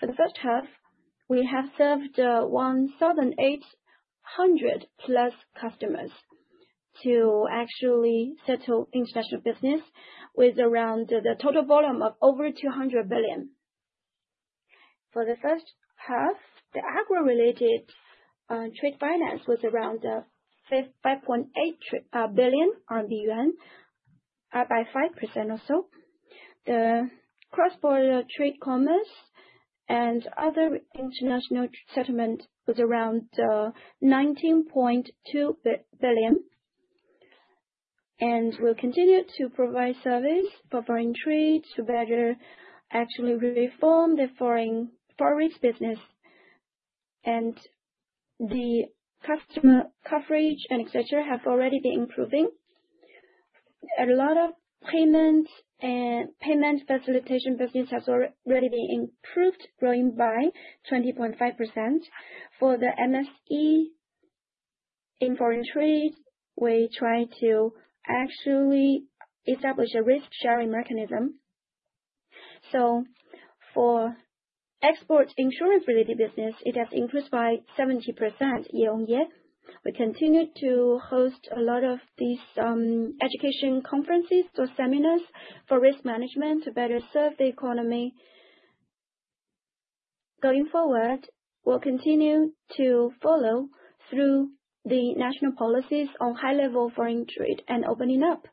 For the first half, we have served 1,800 plus customers to actually settle international business with around the total volume of over 200 billion. For the first half, the agro-related trade finance was around 5.8 billion, by 5% or so. The cross-border trade commerce and other international settlement was around 19.2 billion, and we'll continue to provide service for foreign trade to better actually reform the foreign risk business, and the customer coverage and etc. have already been improving. A lot of payment facilitation business has already been improved, growing by 20.5%. For the SME in foreign trade, we try to actually establish a risk-sharing mechanism, so for export insurance-related business, it has increased by 70% year-on-year. We continue to host a lot of these education conferences or seminars for risk management to better serve the economy. Going forward, we'll continue to follow through the national policies on high-level foreign trade and opening up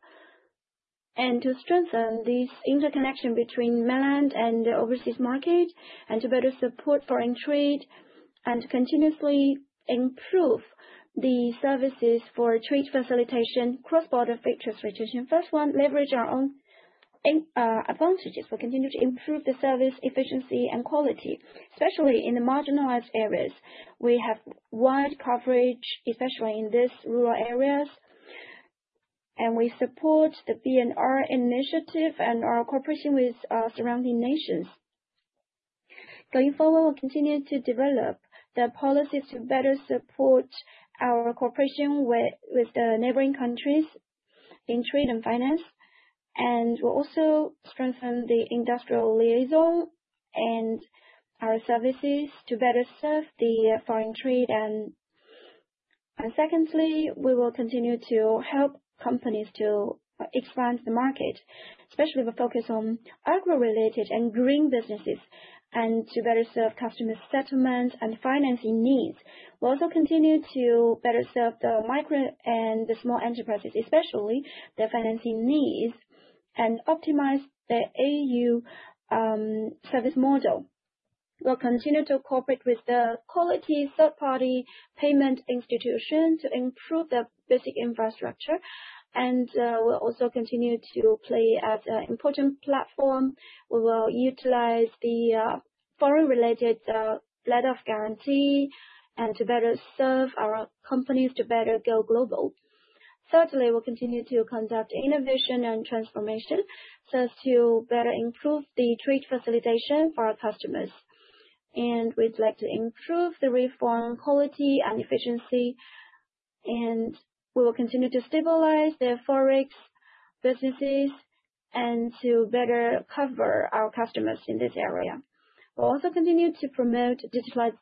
and to strengthen this interconnection between mainland and the overseas market and to better support foreign trade and to continuously improve the services for trade facilitation, cross-border trade facilitation. First one, leverage our own advantages. We'll continue to improve the service efficiency and quality, especially in the marginalized areas. We have wide coverage, especially in these rural areas. We support the BRI initiative and our cooperation with surrounding nations. Going forward, we'll continue to develop the policies to better support our cooperation with the neighboring countries in trade and finance. We'll also strengthen the industrial liaison and our services to better serve the foreign trade. Secondly, we will continue to help companies to expand the market, especially with a focus on agro-related and green businesses and to better serve customer settlement and financing needs. We'll also continue to better serve the micro and the small enterprises, especially their financing needs, and optimize the AU service model. We'll continue to cooperate with the quality third-party payment institution to improve the basic infrastructure. We'll also continue to play as an important platform. We will utilize the foreign-related letter of guarantee and to better serve our companies to better go global. Thirdly, we'll continue to conduct innovation and transformation so as to better improve the trade facilitation for our customers. We'd like to improve the reform quality and efficiency. We will continue to stabilize the forex businesses and to better cover our customers in this area. We'll also continue to promote digitalized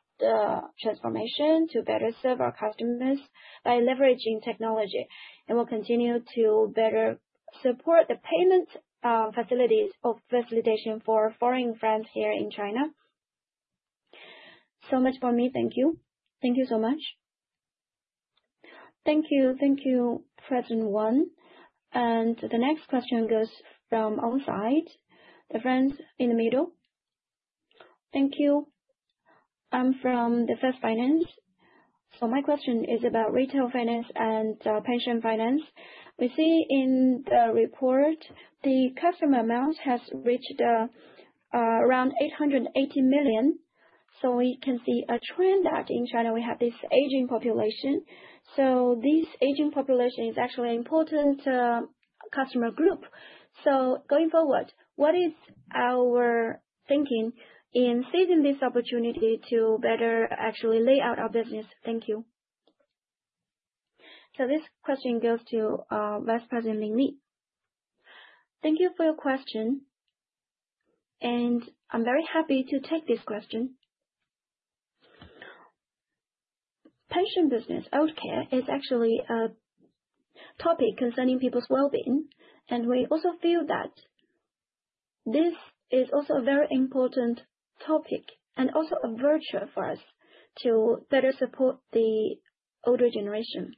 transformation to better serve our customers by leveraging technology, and we'll continue to better support the payment facilities of facilitation for foreign friends here in China, so much for me. Thank you. Thank you so much. Thank you. Thank you, President Wang, and the next question goes from our side, the friends in the middle. Thank you. I'm from the FES Finance, so my question is about retail finance and pension finance. We see in the report, the customer amount has reached around 880 million, so we can see a trend that in China, we have this aging population, so this aging population is actually an important customer group, so going forward, what is our thinking in seizing this opportunity to better actually lay out our business? Thank you. So this question goes to Vice President Lin Li. Thank you for your question. I'm very happy to take this question. Pension business, healthcare, is actually a topic concerning people's well-being. We also feel that this is also a very important topic and also a virtue for us to better support the older generation.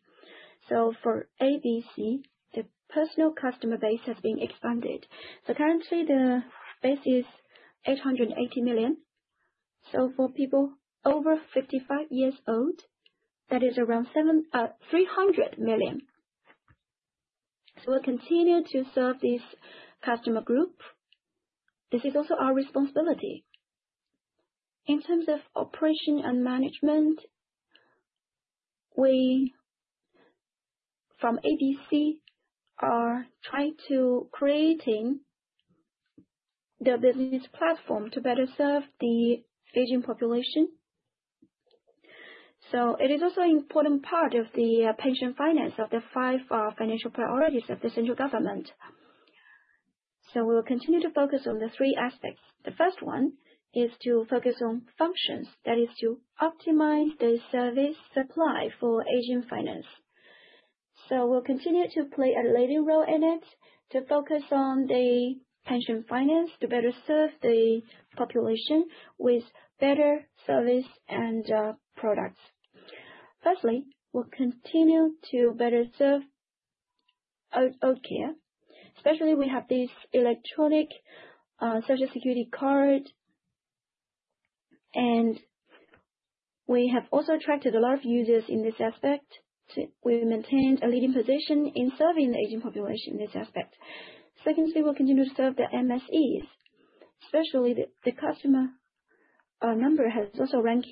For ABC, the personal customer base has been expanded. Currently, the base is 880 million. For people over 55 years old, that is around 300 million. We'll continue to serve this customer group. This is also our responsibility. In terms of operation and management, we from ABC are trying to create the business platform to better serve the aging population. It is also an important part of the pension finance of the five financial priorities of the central government. We will continue to focus on the three aspects. The first one is to focus on functions, that is, to optimize the service supply for aging finance. We will continue to play a leading role in it to focus on the pension finance to better serve the population with better service and products. Firstly, we will continue to better serve healthcare, especially we have this Electronic Social Security Card. We have also attracted a lot of users in this aspect. We maintain a leading position in serving the aging population in this aspect. Secondly, we will continue to serve the SMEs, especially the customer number has also ranked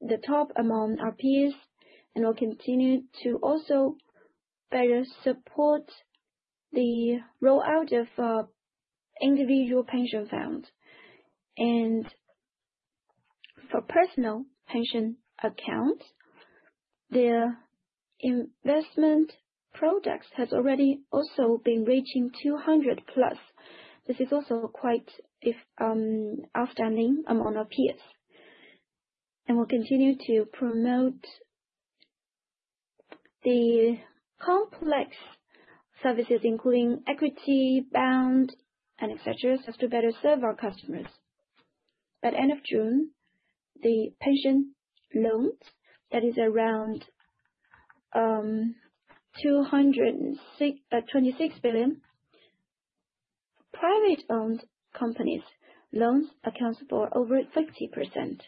the top among our peers. We will continue to also better support the rollout of individual pension funds. For personal pension accounts, the investment products have already also been reaching 200+. This is also quite an outstanding amount among peers. We'll continue to promote the complex services, including equity-bound and etc., just to better serve our customers. By the end of June, the pension loans, that is around 226 billion. Private-owned companies' loans account for over 50%.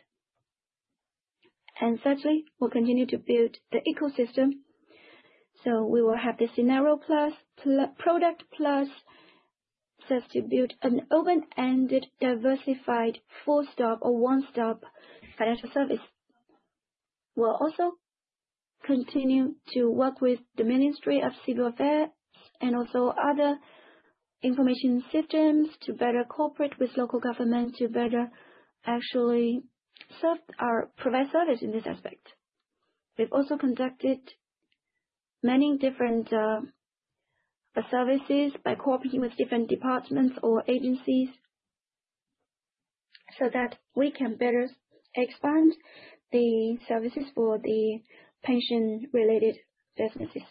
Thirdly, we'll continue to build the ecosystem. We will have the scenario plus product plus just to build an open-ended diversified full-stop or one-stop financial service. We'll also continue to work with the Ministry of Civil Affairs and also other information systems to better cooperate with local governments to better actually serve our provide service in this aspect. We've also conducted many different services by cooperating with different departments or agencies so that we can better expand the services for the pension-related businesses.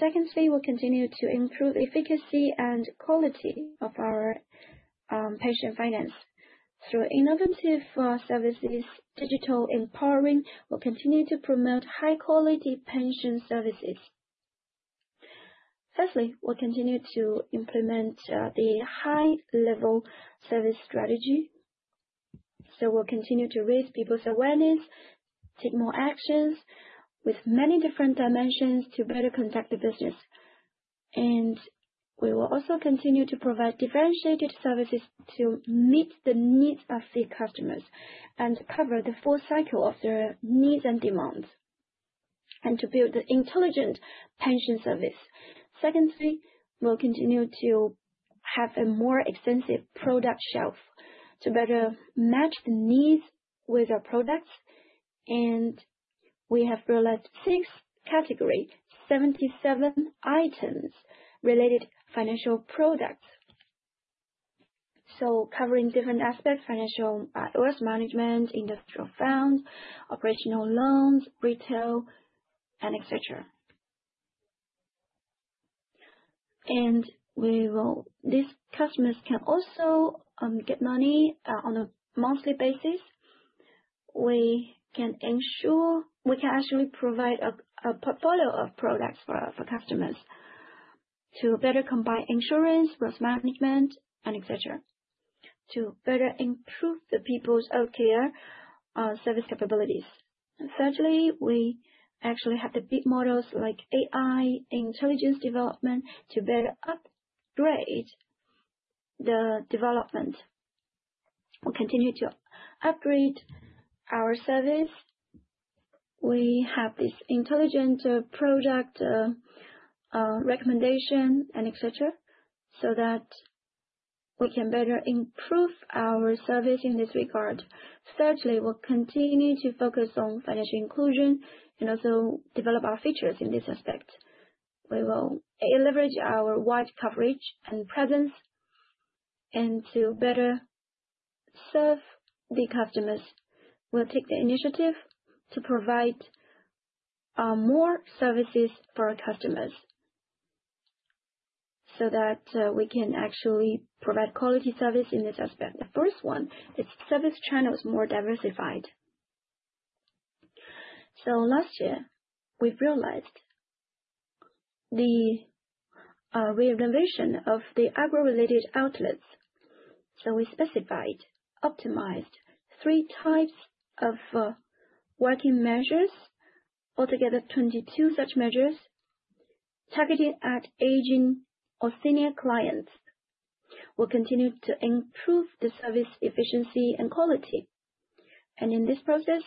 Secondly, we'll continue to improve the efficacy and quality of our pension finance through innovative services, digital empowering. We'll continue to promote high-quality pension services. Firstly, we'll continue to implement the high-level service strategy, so we'll continue to raise people's awareness, take more actions with many different dimensions to better conduct the business, and we will also continue to provide differentiated services to meet the needs of the customers and cover the full cycle of their needs and demands and to build an intelligent pension service. Secondly, we'll continue to have a more extensive product shelf to better match the needs with our products, and we have realized six categories, 77 items related financial products, so covering different aspects, financial risk management, industrial funds, operational loans, retail, and etc., and these customers can also get money on a monthly basis. We can ensure we can actually provide a portfolio of products for customers to better combine insurance, risk management, and etc. to better improve the people's healthcare service capabilities. Thirdly, we actually have the big models like AI intelligence development to better upgrade the development. We'll continue to upgrade our service. We have this intelligent product recommendation and etc. so that we can better improve our service in this regard. Thirdly, we'll continue to focus on financial inclusion and also develop our features in this aspect. We will leverage our wide coverage and presence and to better serve the customers. We'll take the initiative to provide more services for our customers so that we can actually provide quality service in this aspect. The first one is service channels more diversified. Last year, we realized the reorganization of the agro-related outlets. We specified, optimized three types of working measures, altogether 22 such measures targeted at aging or senior clients. We'll continue to improve the service efficiency and quality. And in this process,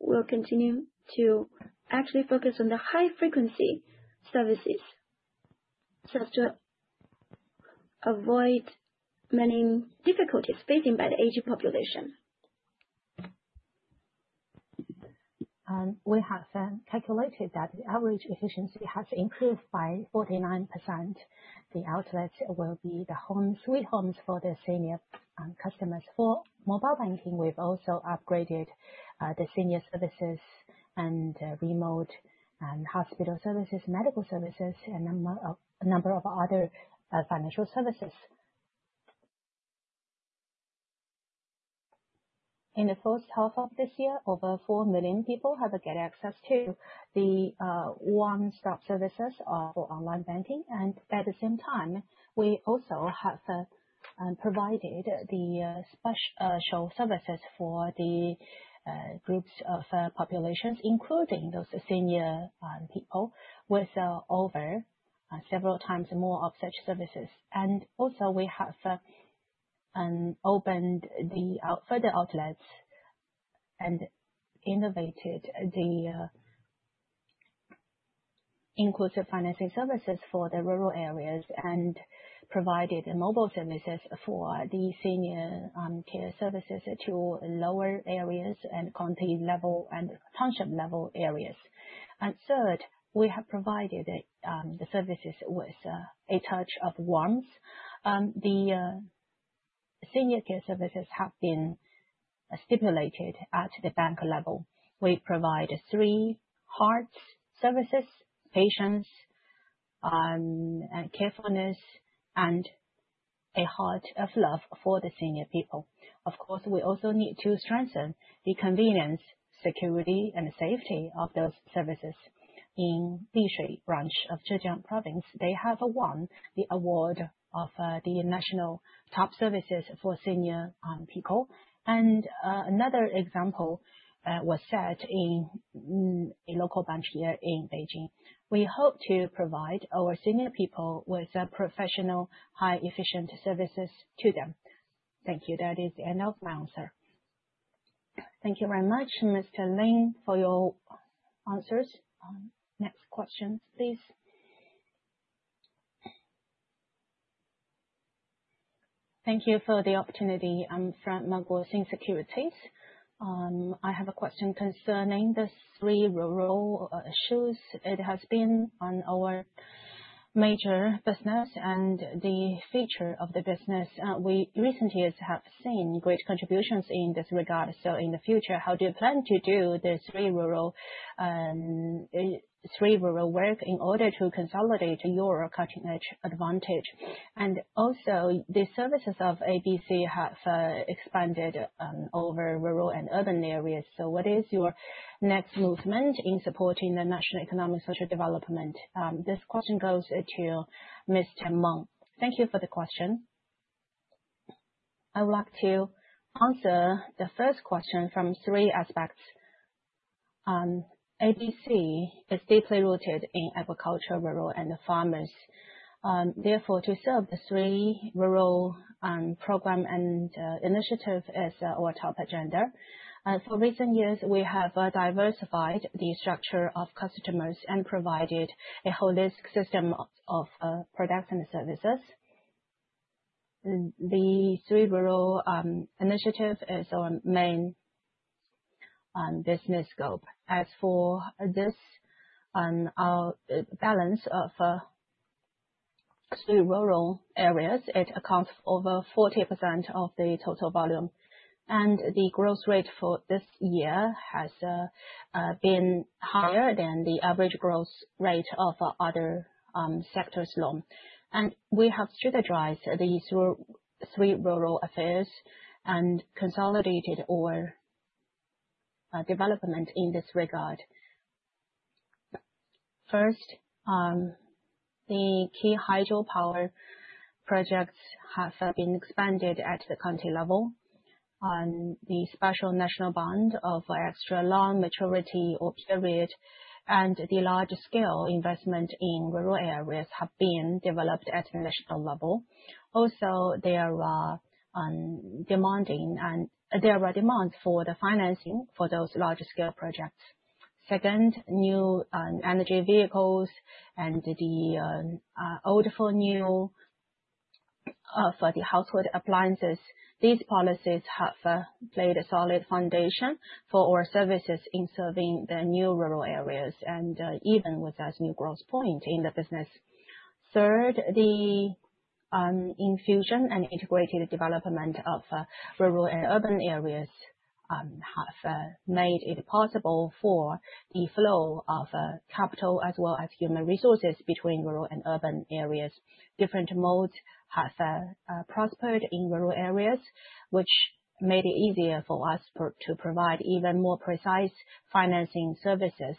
we'll continue to actually focus on the high-frequency services just to avoid many difficulties faced by the aging population. We have calculated that the average efficiency has increased by 49%. The outlets will be the home sweet homes for the senior customers. For mobile banking, we've also upgraded the senior services and remote and hospital services, medical services, and a number of other financial services. In the first half of this year, over 4 million people have got access to the one-stop services for online banking. And at the same time, we also have provided the special services for the groups of populations, including those senior people, with over several times more of such services. And also, we have opened the further outlets and innovated the inclusive financing services for the rural areas and provided mobile services for the senior care services to lower areas and county level and township level areas. And third, we have provided the services with a touch of warmth. The senior care services have been stipulated at the bank level. We provide three hearts services: patience, carefulness, and a heart of love for the senior people. Of course, we also need to strengthen the convenience, security, and safety of those services. In Lishui branch of Zhejiang Province, they have won the award of the National Top Services for Senior People. And another example was set in a local branch here in Beijing. We hope to provide our senior people with professional, high-efficient services to them. Thank you. That is the end of my answer. Thank you very much, Mr. Lin, for your answers. Next question, please. Thank you for the opportunity. I'm from Guosen Securities. I have a question concerning the Three Rural Issues. It has been one of our major business and the future of the business. We recently have seen great contributions in this regard. So in the future, how do you plan to do the Three Rural work in order to consolidate your cutting-edge advantage? And also, the services of ABC have expanded over rural and urban areas. So what is your next movement in supporting the national economic and social development? This question goes to Mr. Meng. Thank you for the question. I would like to answer the first question from three aspects. ABC is deeply rooted in agriculture, rural, and farmers. Therefore, to serve the Three Rural program and initiative is our top agenda. For recent years, we have diversified the structure of customers and provided a holistic system of products and services. The Three Rural Initiative is our main business scope. As for this balance of Three Rural areas, it accounts for over 40% of the total volume. And the growth rate for this year has been higher than the average growth rate of other sectors alone. And we have strategized these Three Rural affairs and consolidated our development in this regard. First, the key hydropower projects have been expanded at the county level. The special national bond of extra long maturity or period and the large-scale investment in rural areas have been developed at the national level. Also, there are demands for the financing for those large-scale projects. Second, new energy vehicles and the old for new for the household appliances. These policies have laid a solid foundation for our services in serving the new rural areas and given us new growth point in the business. Third, the inclusion and integrated development of rural and urban areas have made it possible for the flow of capital as well as human resources between rural and urban areas. Different modes have prospered in rural areas, which made it easier for us to provide even more precise financing services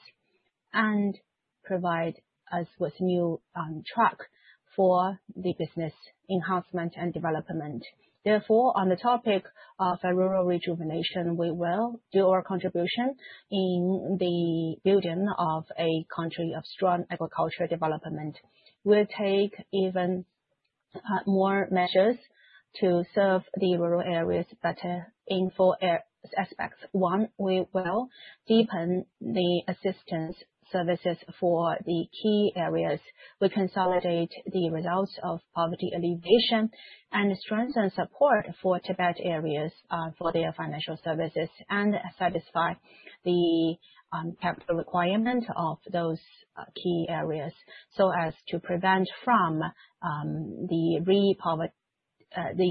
and provide us with new track for the business enhancement and development. Therefore, on the topic of rural rejuvenation, we will do our contribution in the building of a country of strong agricultural development. We'll take even more measures to serve the rural areas better in four aspects. One, we will deepen the assistance services for the key areas. We consolidate the results of poverty alleviation and strengthen support for Tibet areas for their financial services and satisfy the capital requirement of those key areas so as to prevent from the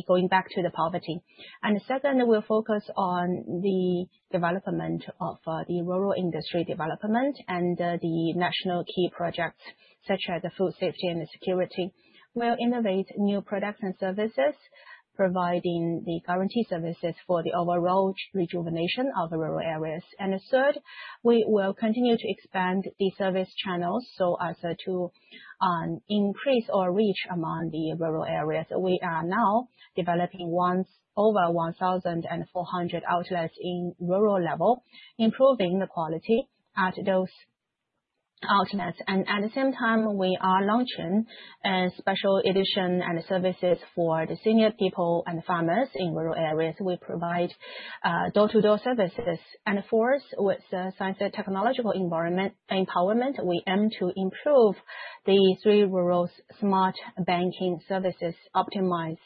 going back to the poverty. And second, we'll focus on the development of the rural industry development and the national key projects such as the food safety and the security. We'll innovate new products and services, providing the guaranteed services for the overall rejuvenation of rural areas. And third, we will continue to expand the service channels so as to increase or reach among the rural areas. We are now developing over 1,400 outlets in rural level, improving the quality at those outlets. And at the same time, we are launching a special edition and services for the senior people and farmers in rural areas. We provide door-to-door services. Fourth, with the science and technological empowerment, we aim to improve the Three Rural smart banking services, optimize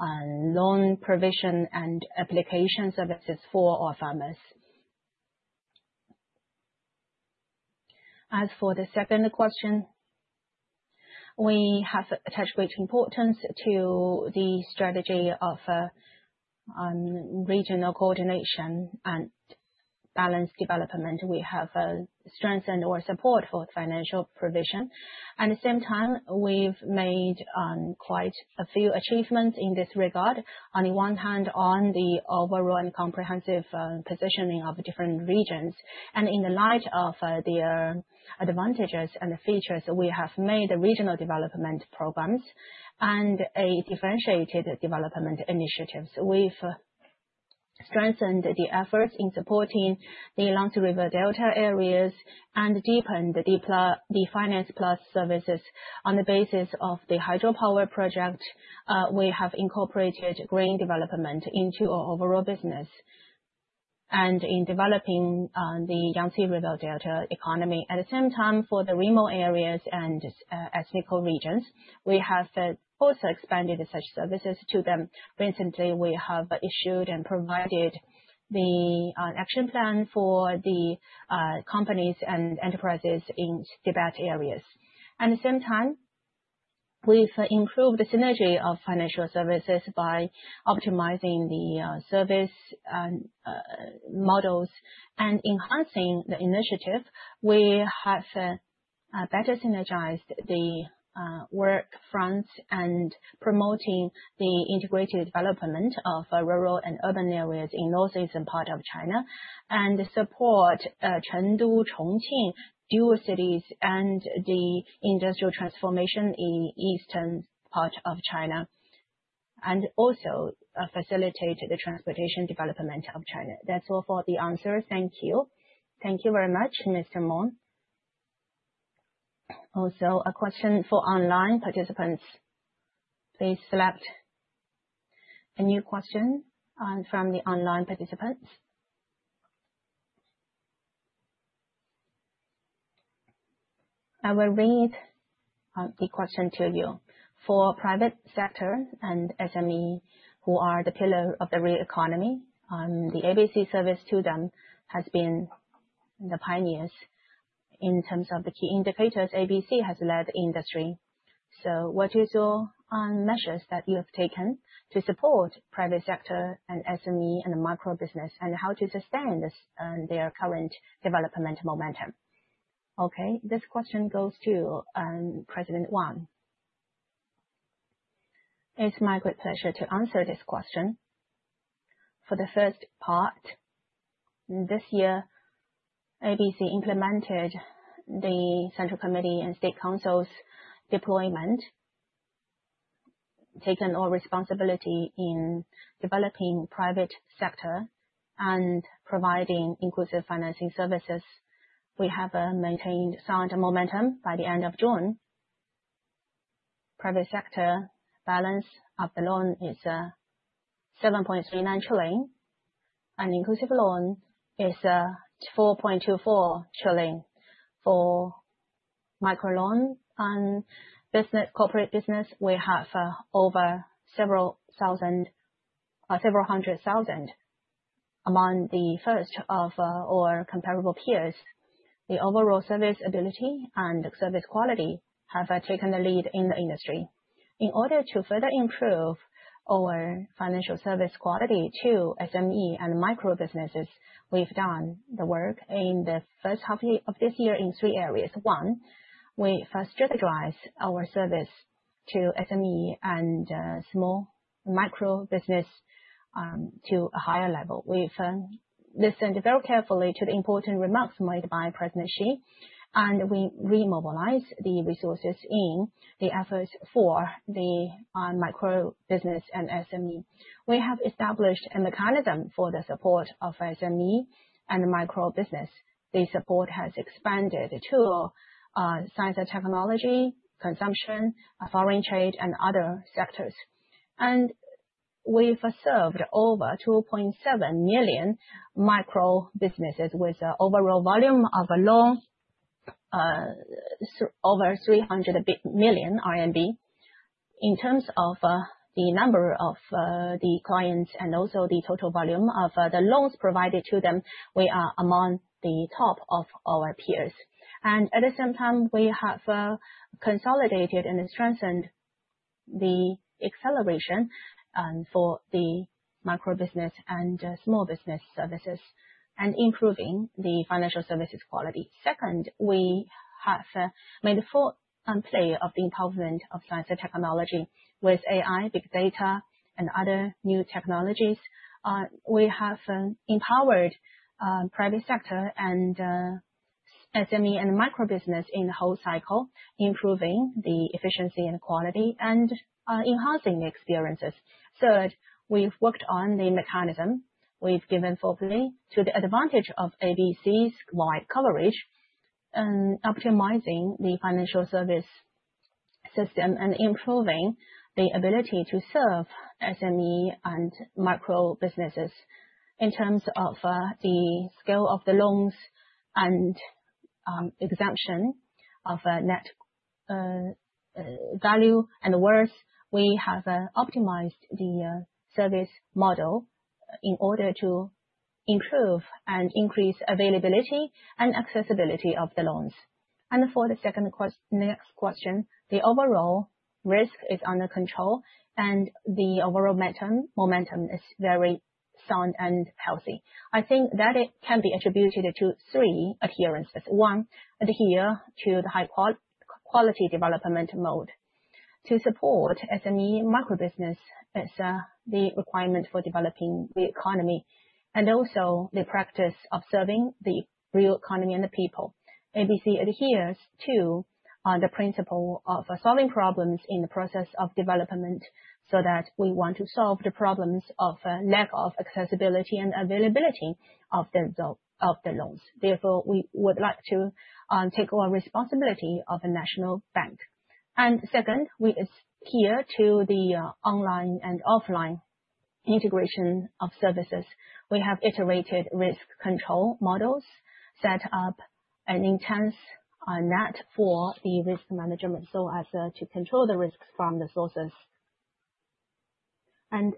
loan provision, and application services for our farmers. As for the second question, we have attached great importance to the strategy of regional coordination and balanced development. We have strengthened our support for financial provision. At the same time, we've made quite a few achievements in this regard. On the one hand, on the overall and comprehensive positioning of different regions. In the light of their advantages and the features, we have made regional development programs and differentiated development initiatives. We've strengthened the efforts in supporting the Yangtze River Delta areas and deepened the finance plus services. On the basis of the hydropower project, we have incorporated green development into our overall business and in developing the Yangtze River Delta economy. At the same time, for the remote areas and ethnic regions, we have also expanded such services to them. Recently, we have issued and provided the action plan for the companies and enterprises in Tibetan areas. At the same time, we've improved the synergy of financial services by optimizing the service models and enhancing the initiative. We have better synergized the work front and promoting the integrated development of rural and urban areas in northeastern part of China and support Chengdu, Chongqing, twin cities, and the industrial transformation in eastern part of China and also facilitate the transportation development of China. That's all for the answers. Thank you. Thank you very much, Mr. Meng. Also, a question for online participants. Please select a new question from the online participants. I will read the question to you. For private sector and SME, who are the pillar of the real economy, the ABC service to them has been the pioneers in terms of the key indicators. ABC has led the industry. So what are your measures that you have taken to support private sector and SME and the microbusiness and how to sustain their current development momentum? Okay. This question goes to President Wang. It's my great pleasure to answer this question. For the first part, this year, ABC implemented the Central Committee and State Council's deployment, taken our responsibility in developing private sector and providing inclusive financing services. We have maintained sound momentum by the end of June. Private sector balance of the loan is 7.39 trillion. An inclusive loan is 4.24 trillion. For microloan and corporate business, we have over several hundred thousand among the first of our comparable peers. The overall service ability and service quality have taken the lead in the industry. In order to further improve our financial service quality to SME and microbusinesses, we've done the work in the first half of this year in three areas. One, we've strategized our service to SME and small microbusiness to a higher level. We've listened very carefully to the important remarks made by President Xi, and we remobilized the resources in the efforts for the microbusiness and SME. We have established a mechanism for the support of SME and microbusiness. The support has expanded to science and technology, consumption, foreign trade, and other sectors, and we've served over 2.7 million microbusinesses with an overall volume of loans of over CNY 300 million. In terms of the number of the clients and also the total volume of the loans provided to them, we are among the top of our peers. And at the same time, we have consolidated and strengthened the acceleration for the microbusiness and small business services and improving the financial services quality. Second, we have made full play of the empowerment of science and technology with AI, big data, and other new technologies. We have empowered private sector and SME and microbusiness in the whole cycle, improving the efficiency and quality and enhancing the experiences. Third, we've worked on the mechanism. We've given fully to the advantage of ABC's wide coverage and optimizing the financial service system and improving the ability to serve SME and microbusinesses. In terms of the scale of the loans and exemption of net value and worth, we have optimized the service model in order to improve and increase availability and accessibility of the loans. And for the second next question, the overall risk is under control and the overall momentum is very sound and healthy. I think that it can be attributed to three adherences. One, adhere to the high-quality development mode. To support SME microbusiness, it is the requirement for developing the economy and also the practice of serving the real economy and the people. ABC adheres to the principle of solving problems in the process of development so that we want to solve the problems of lack of accessibility and availability of the loans. Therefore, we would like to take our responsibility of a national bank. And second, we adhere to the online and offline integration of services. We have iterated risk control models, set up an intensive net for the risk management so as to control the risks from the sources, and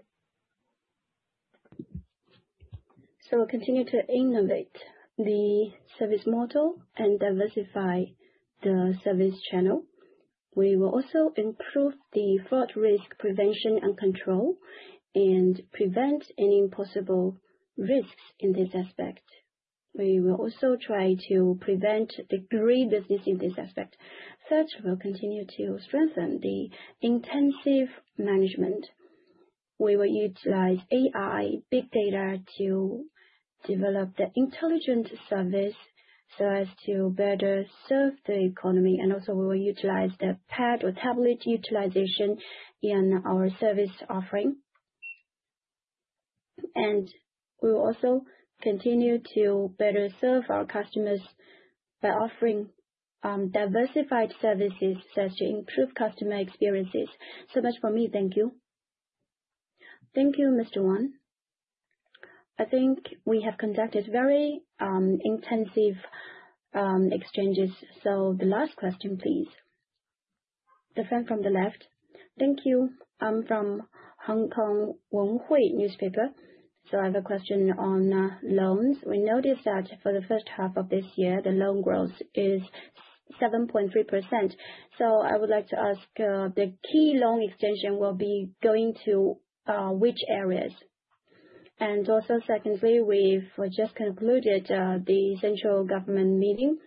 so continue to innovate the service model and diversify the service channel. We will also improve the fraud risk prevention and control and prevent any possible risks in this aspect. We will also try to protect the green business in this aspect. Third, we'll continue to strengthen the intensive management. We will utilize AI, big data to develop the intelligent service so as to better serve the economy, and also, we will utilize the pad or tablet utilization in our service offering, and we will also continue to better serve our customers by offering diversified services such as to improve customer experiences. So much for me. Thank you. Thank you, Mr. Wang. I think we have conducted very intensive exchanges, so the last question, please. The friend from the left. Thank you. I'm from Hong Kong Wen Wei Po newspaper. So I have a question on loans. We noticed that for the first half of this year, the loan growth is 7.3%. So I would like to ask, the key loan extension will be going to which areas? And also, secondly, we've just concluded the central government meeting.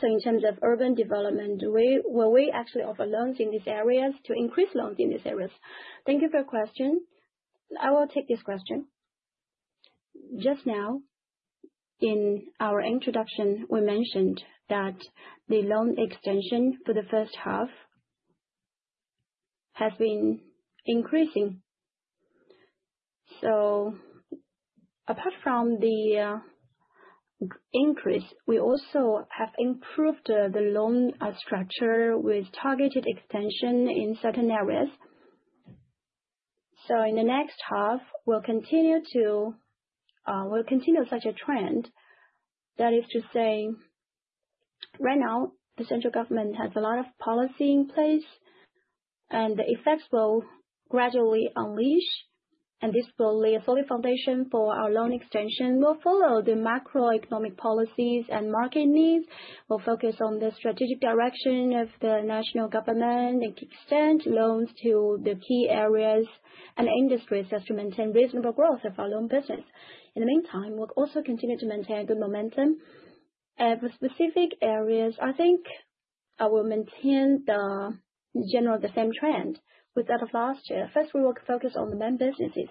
So in terms of urban development, will we actually offer loans in these areas to increase loans in these areas? Thank you for your question. I will take this question. Just now, in our introduction, we mentioned that the loan extension for the first half has been increasing. So apart from the increase, we also have improved the loan structure with targeted extension in certain areas. So in the next half, we'll continue to continue such a trend. That is to say, right now, the central government has a lot of policy in place, and the effects will gradually unleash, and this will lay a solid foundation for our loan extension. We'll follow the macroeconomic policies and market needs. We'll focus on the strategic direction of the national government and extend loans to the key areas and industries just to maintain reasonable growth of our loan business. In the meantime, we'll also continue to maintain a good momentum. And for specific areas, I think I will maintain the general same trend. With that of last year, first, we will focus on the main businesses.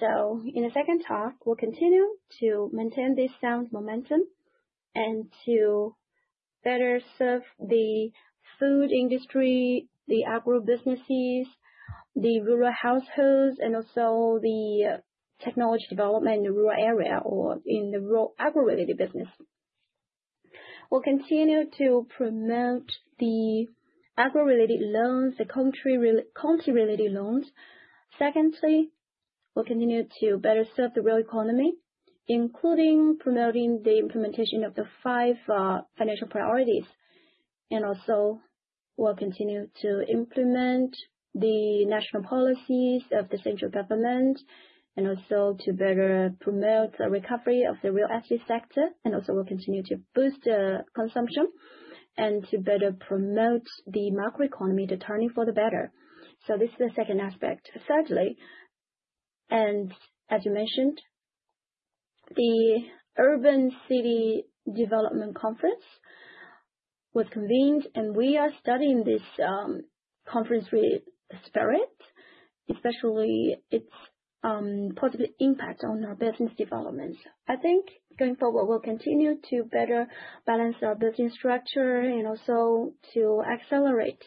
So in the second half, we'll continue to maintain this sound momentum and to better serve the food industry, the agro businesses, the rural households, and also the technology development in the rural area or in the rural agro-related business. We'll continue to promote the agro-related loans, the county-related loans. Secondly, we'll continue to better serve the real economy, including promoting the implementation of the five financial priorities. And also, we'll continue to implement the national policies of the central government and also to better promote the recovery of the real estate sector. And also, we'll continue to boost consumption and to better promote the macroeconomy, the turning for the better. So this is the second aspect. Thirdly, and as you mentioned, the Urban City Development Conference was convened, and we are studying this conference spirit, especially its positive impact on our business developments. I think going forward, we'll continue to better balance our building structure and also to accelerate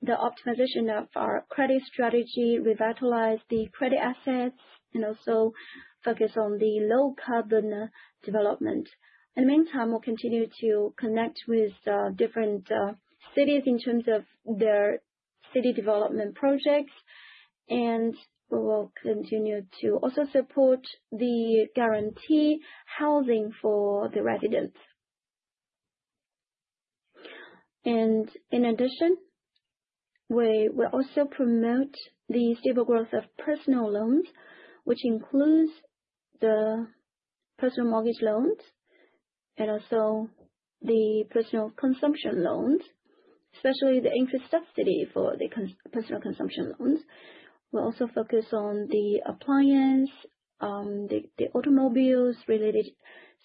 the optimization of our credit strategy, revitalize the credit assets, and also focus on the low-carbon development. In the meantime, we'll continue to connect with different cities in terms of their city development projects, and we will continue to also support the guarantee housing for the residents. And in addition, we will also promote the stable growth of personal loans, which includes the personal mortgage loans and also the personal consumption loans, especially the interest subsidy for the personal consumption loans. We'll also focus on the appliances, the automobiles-related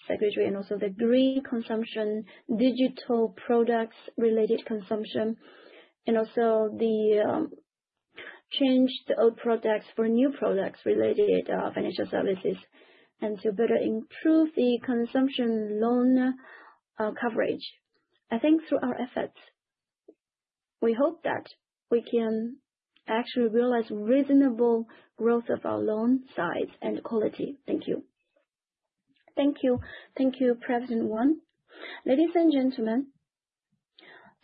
sector, and also the green consumption, digital products-related consumption, and also the change to old products for new products-related financial services and to better improve the consumption loan coverage. I think through our efforts, we hope that we can actually realize reasonable growth of our loan size and quality. Thank you. Thank you. Thank you, President Wang. Ladies and gentlemen,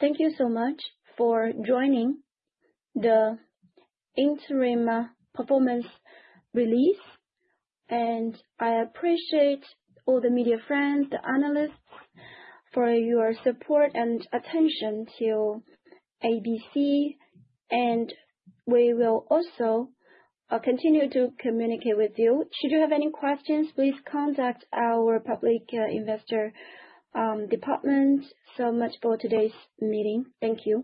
thank you so much for joining the interim performance release. I appreciate all the media friends, the analysts, for your support and attention to ABC. We will also continue to communicate with you. Should you have any questions, please contact our public investor department. So much for today's meeting. Thank you.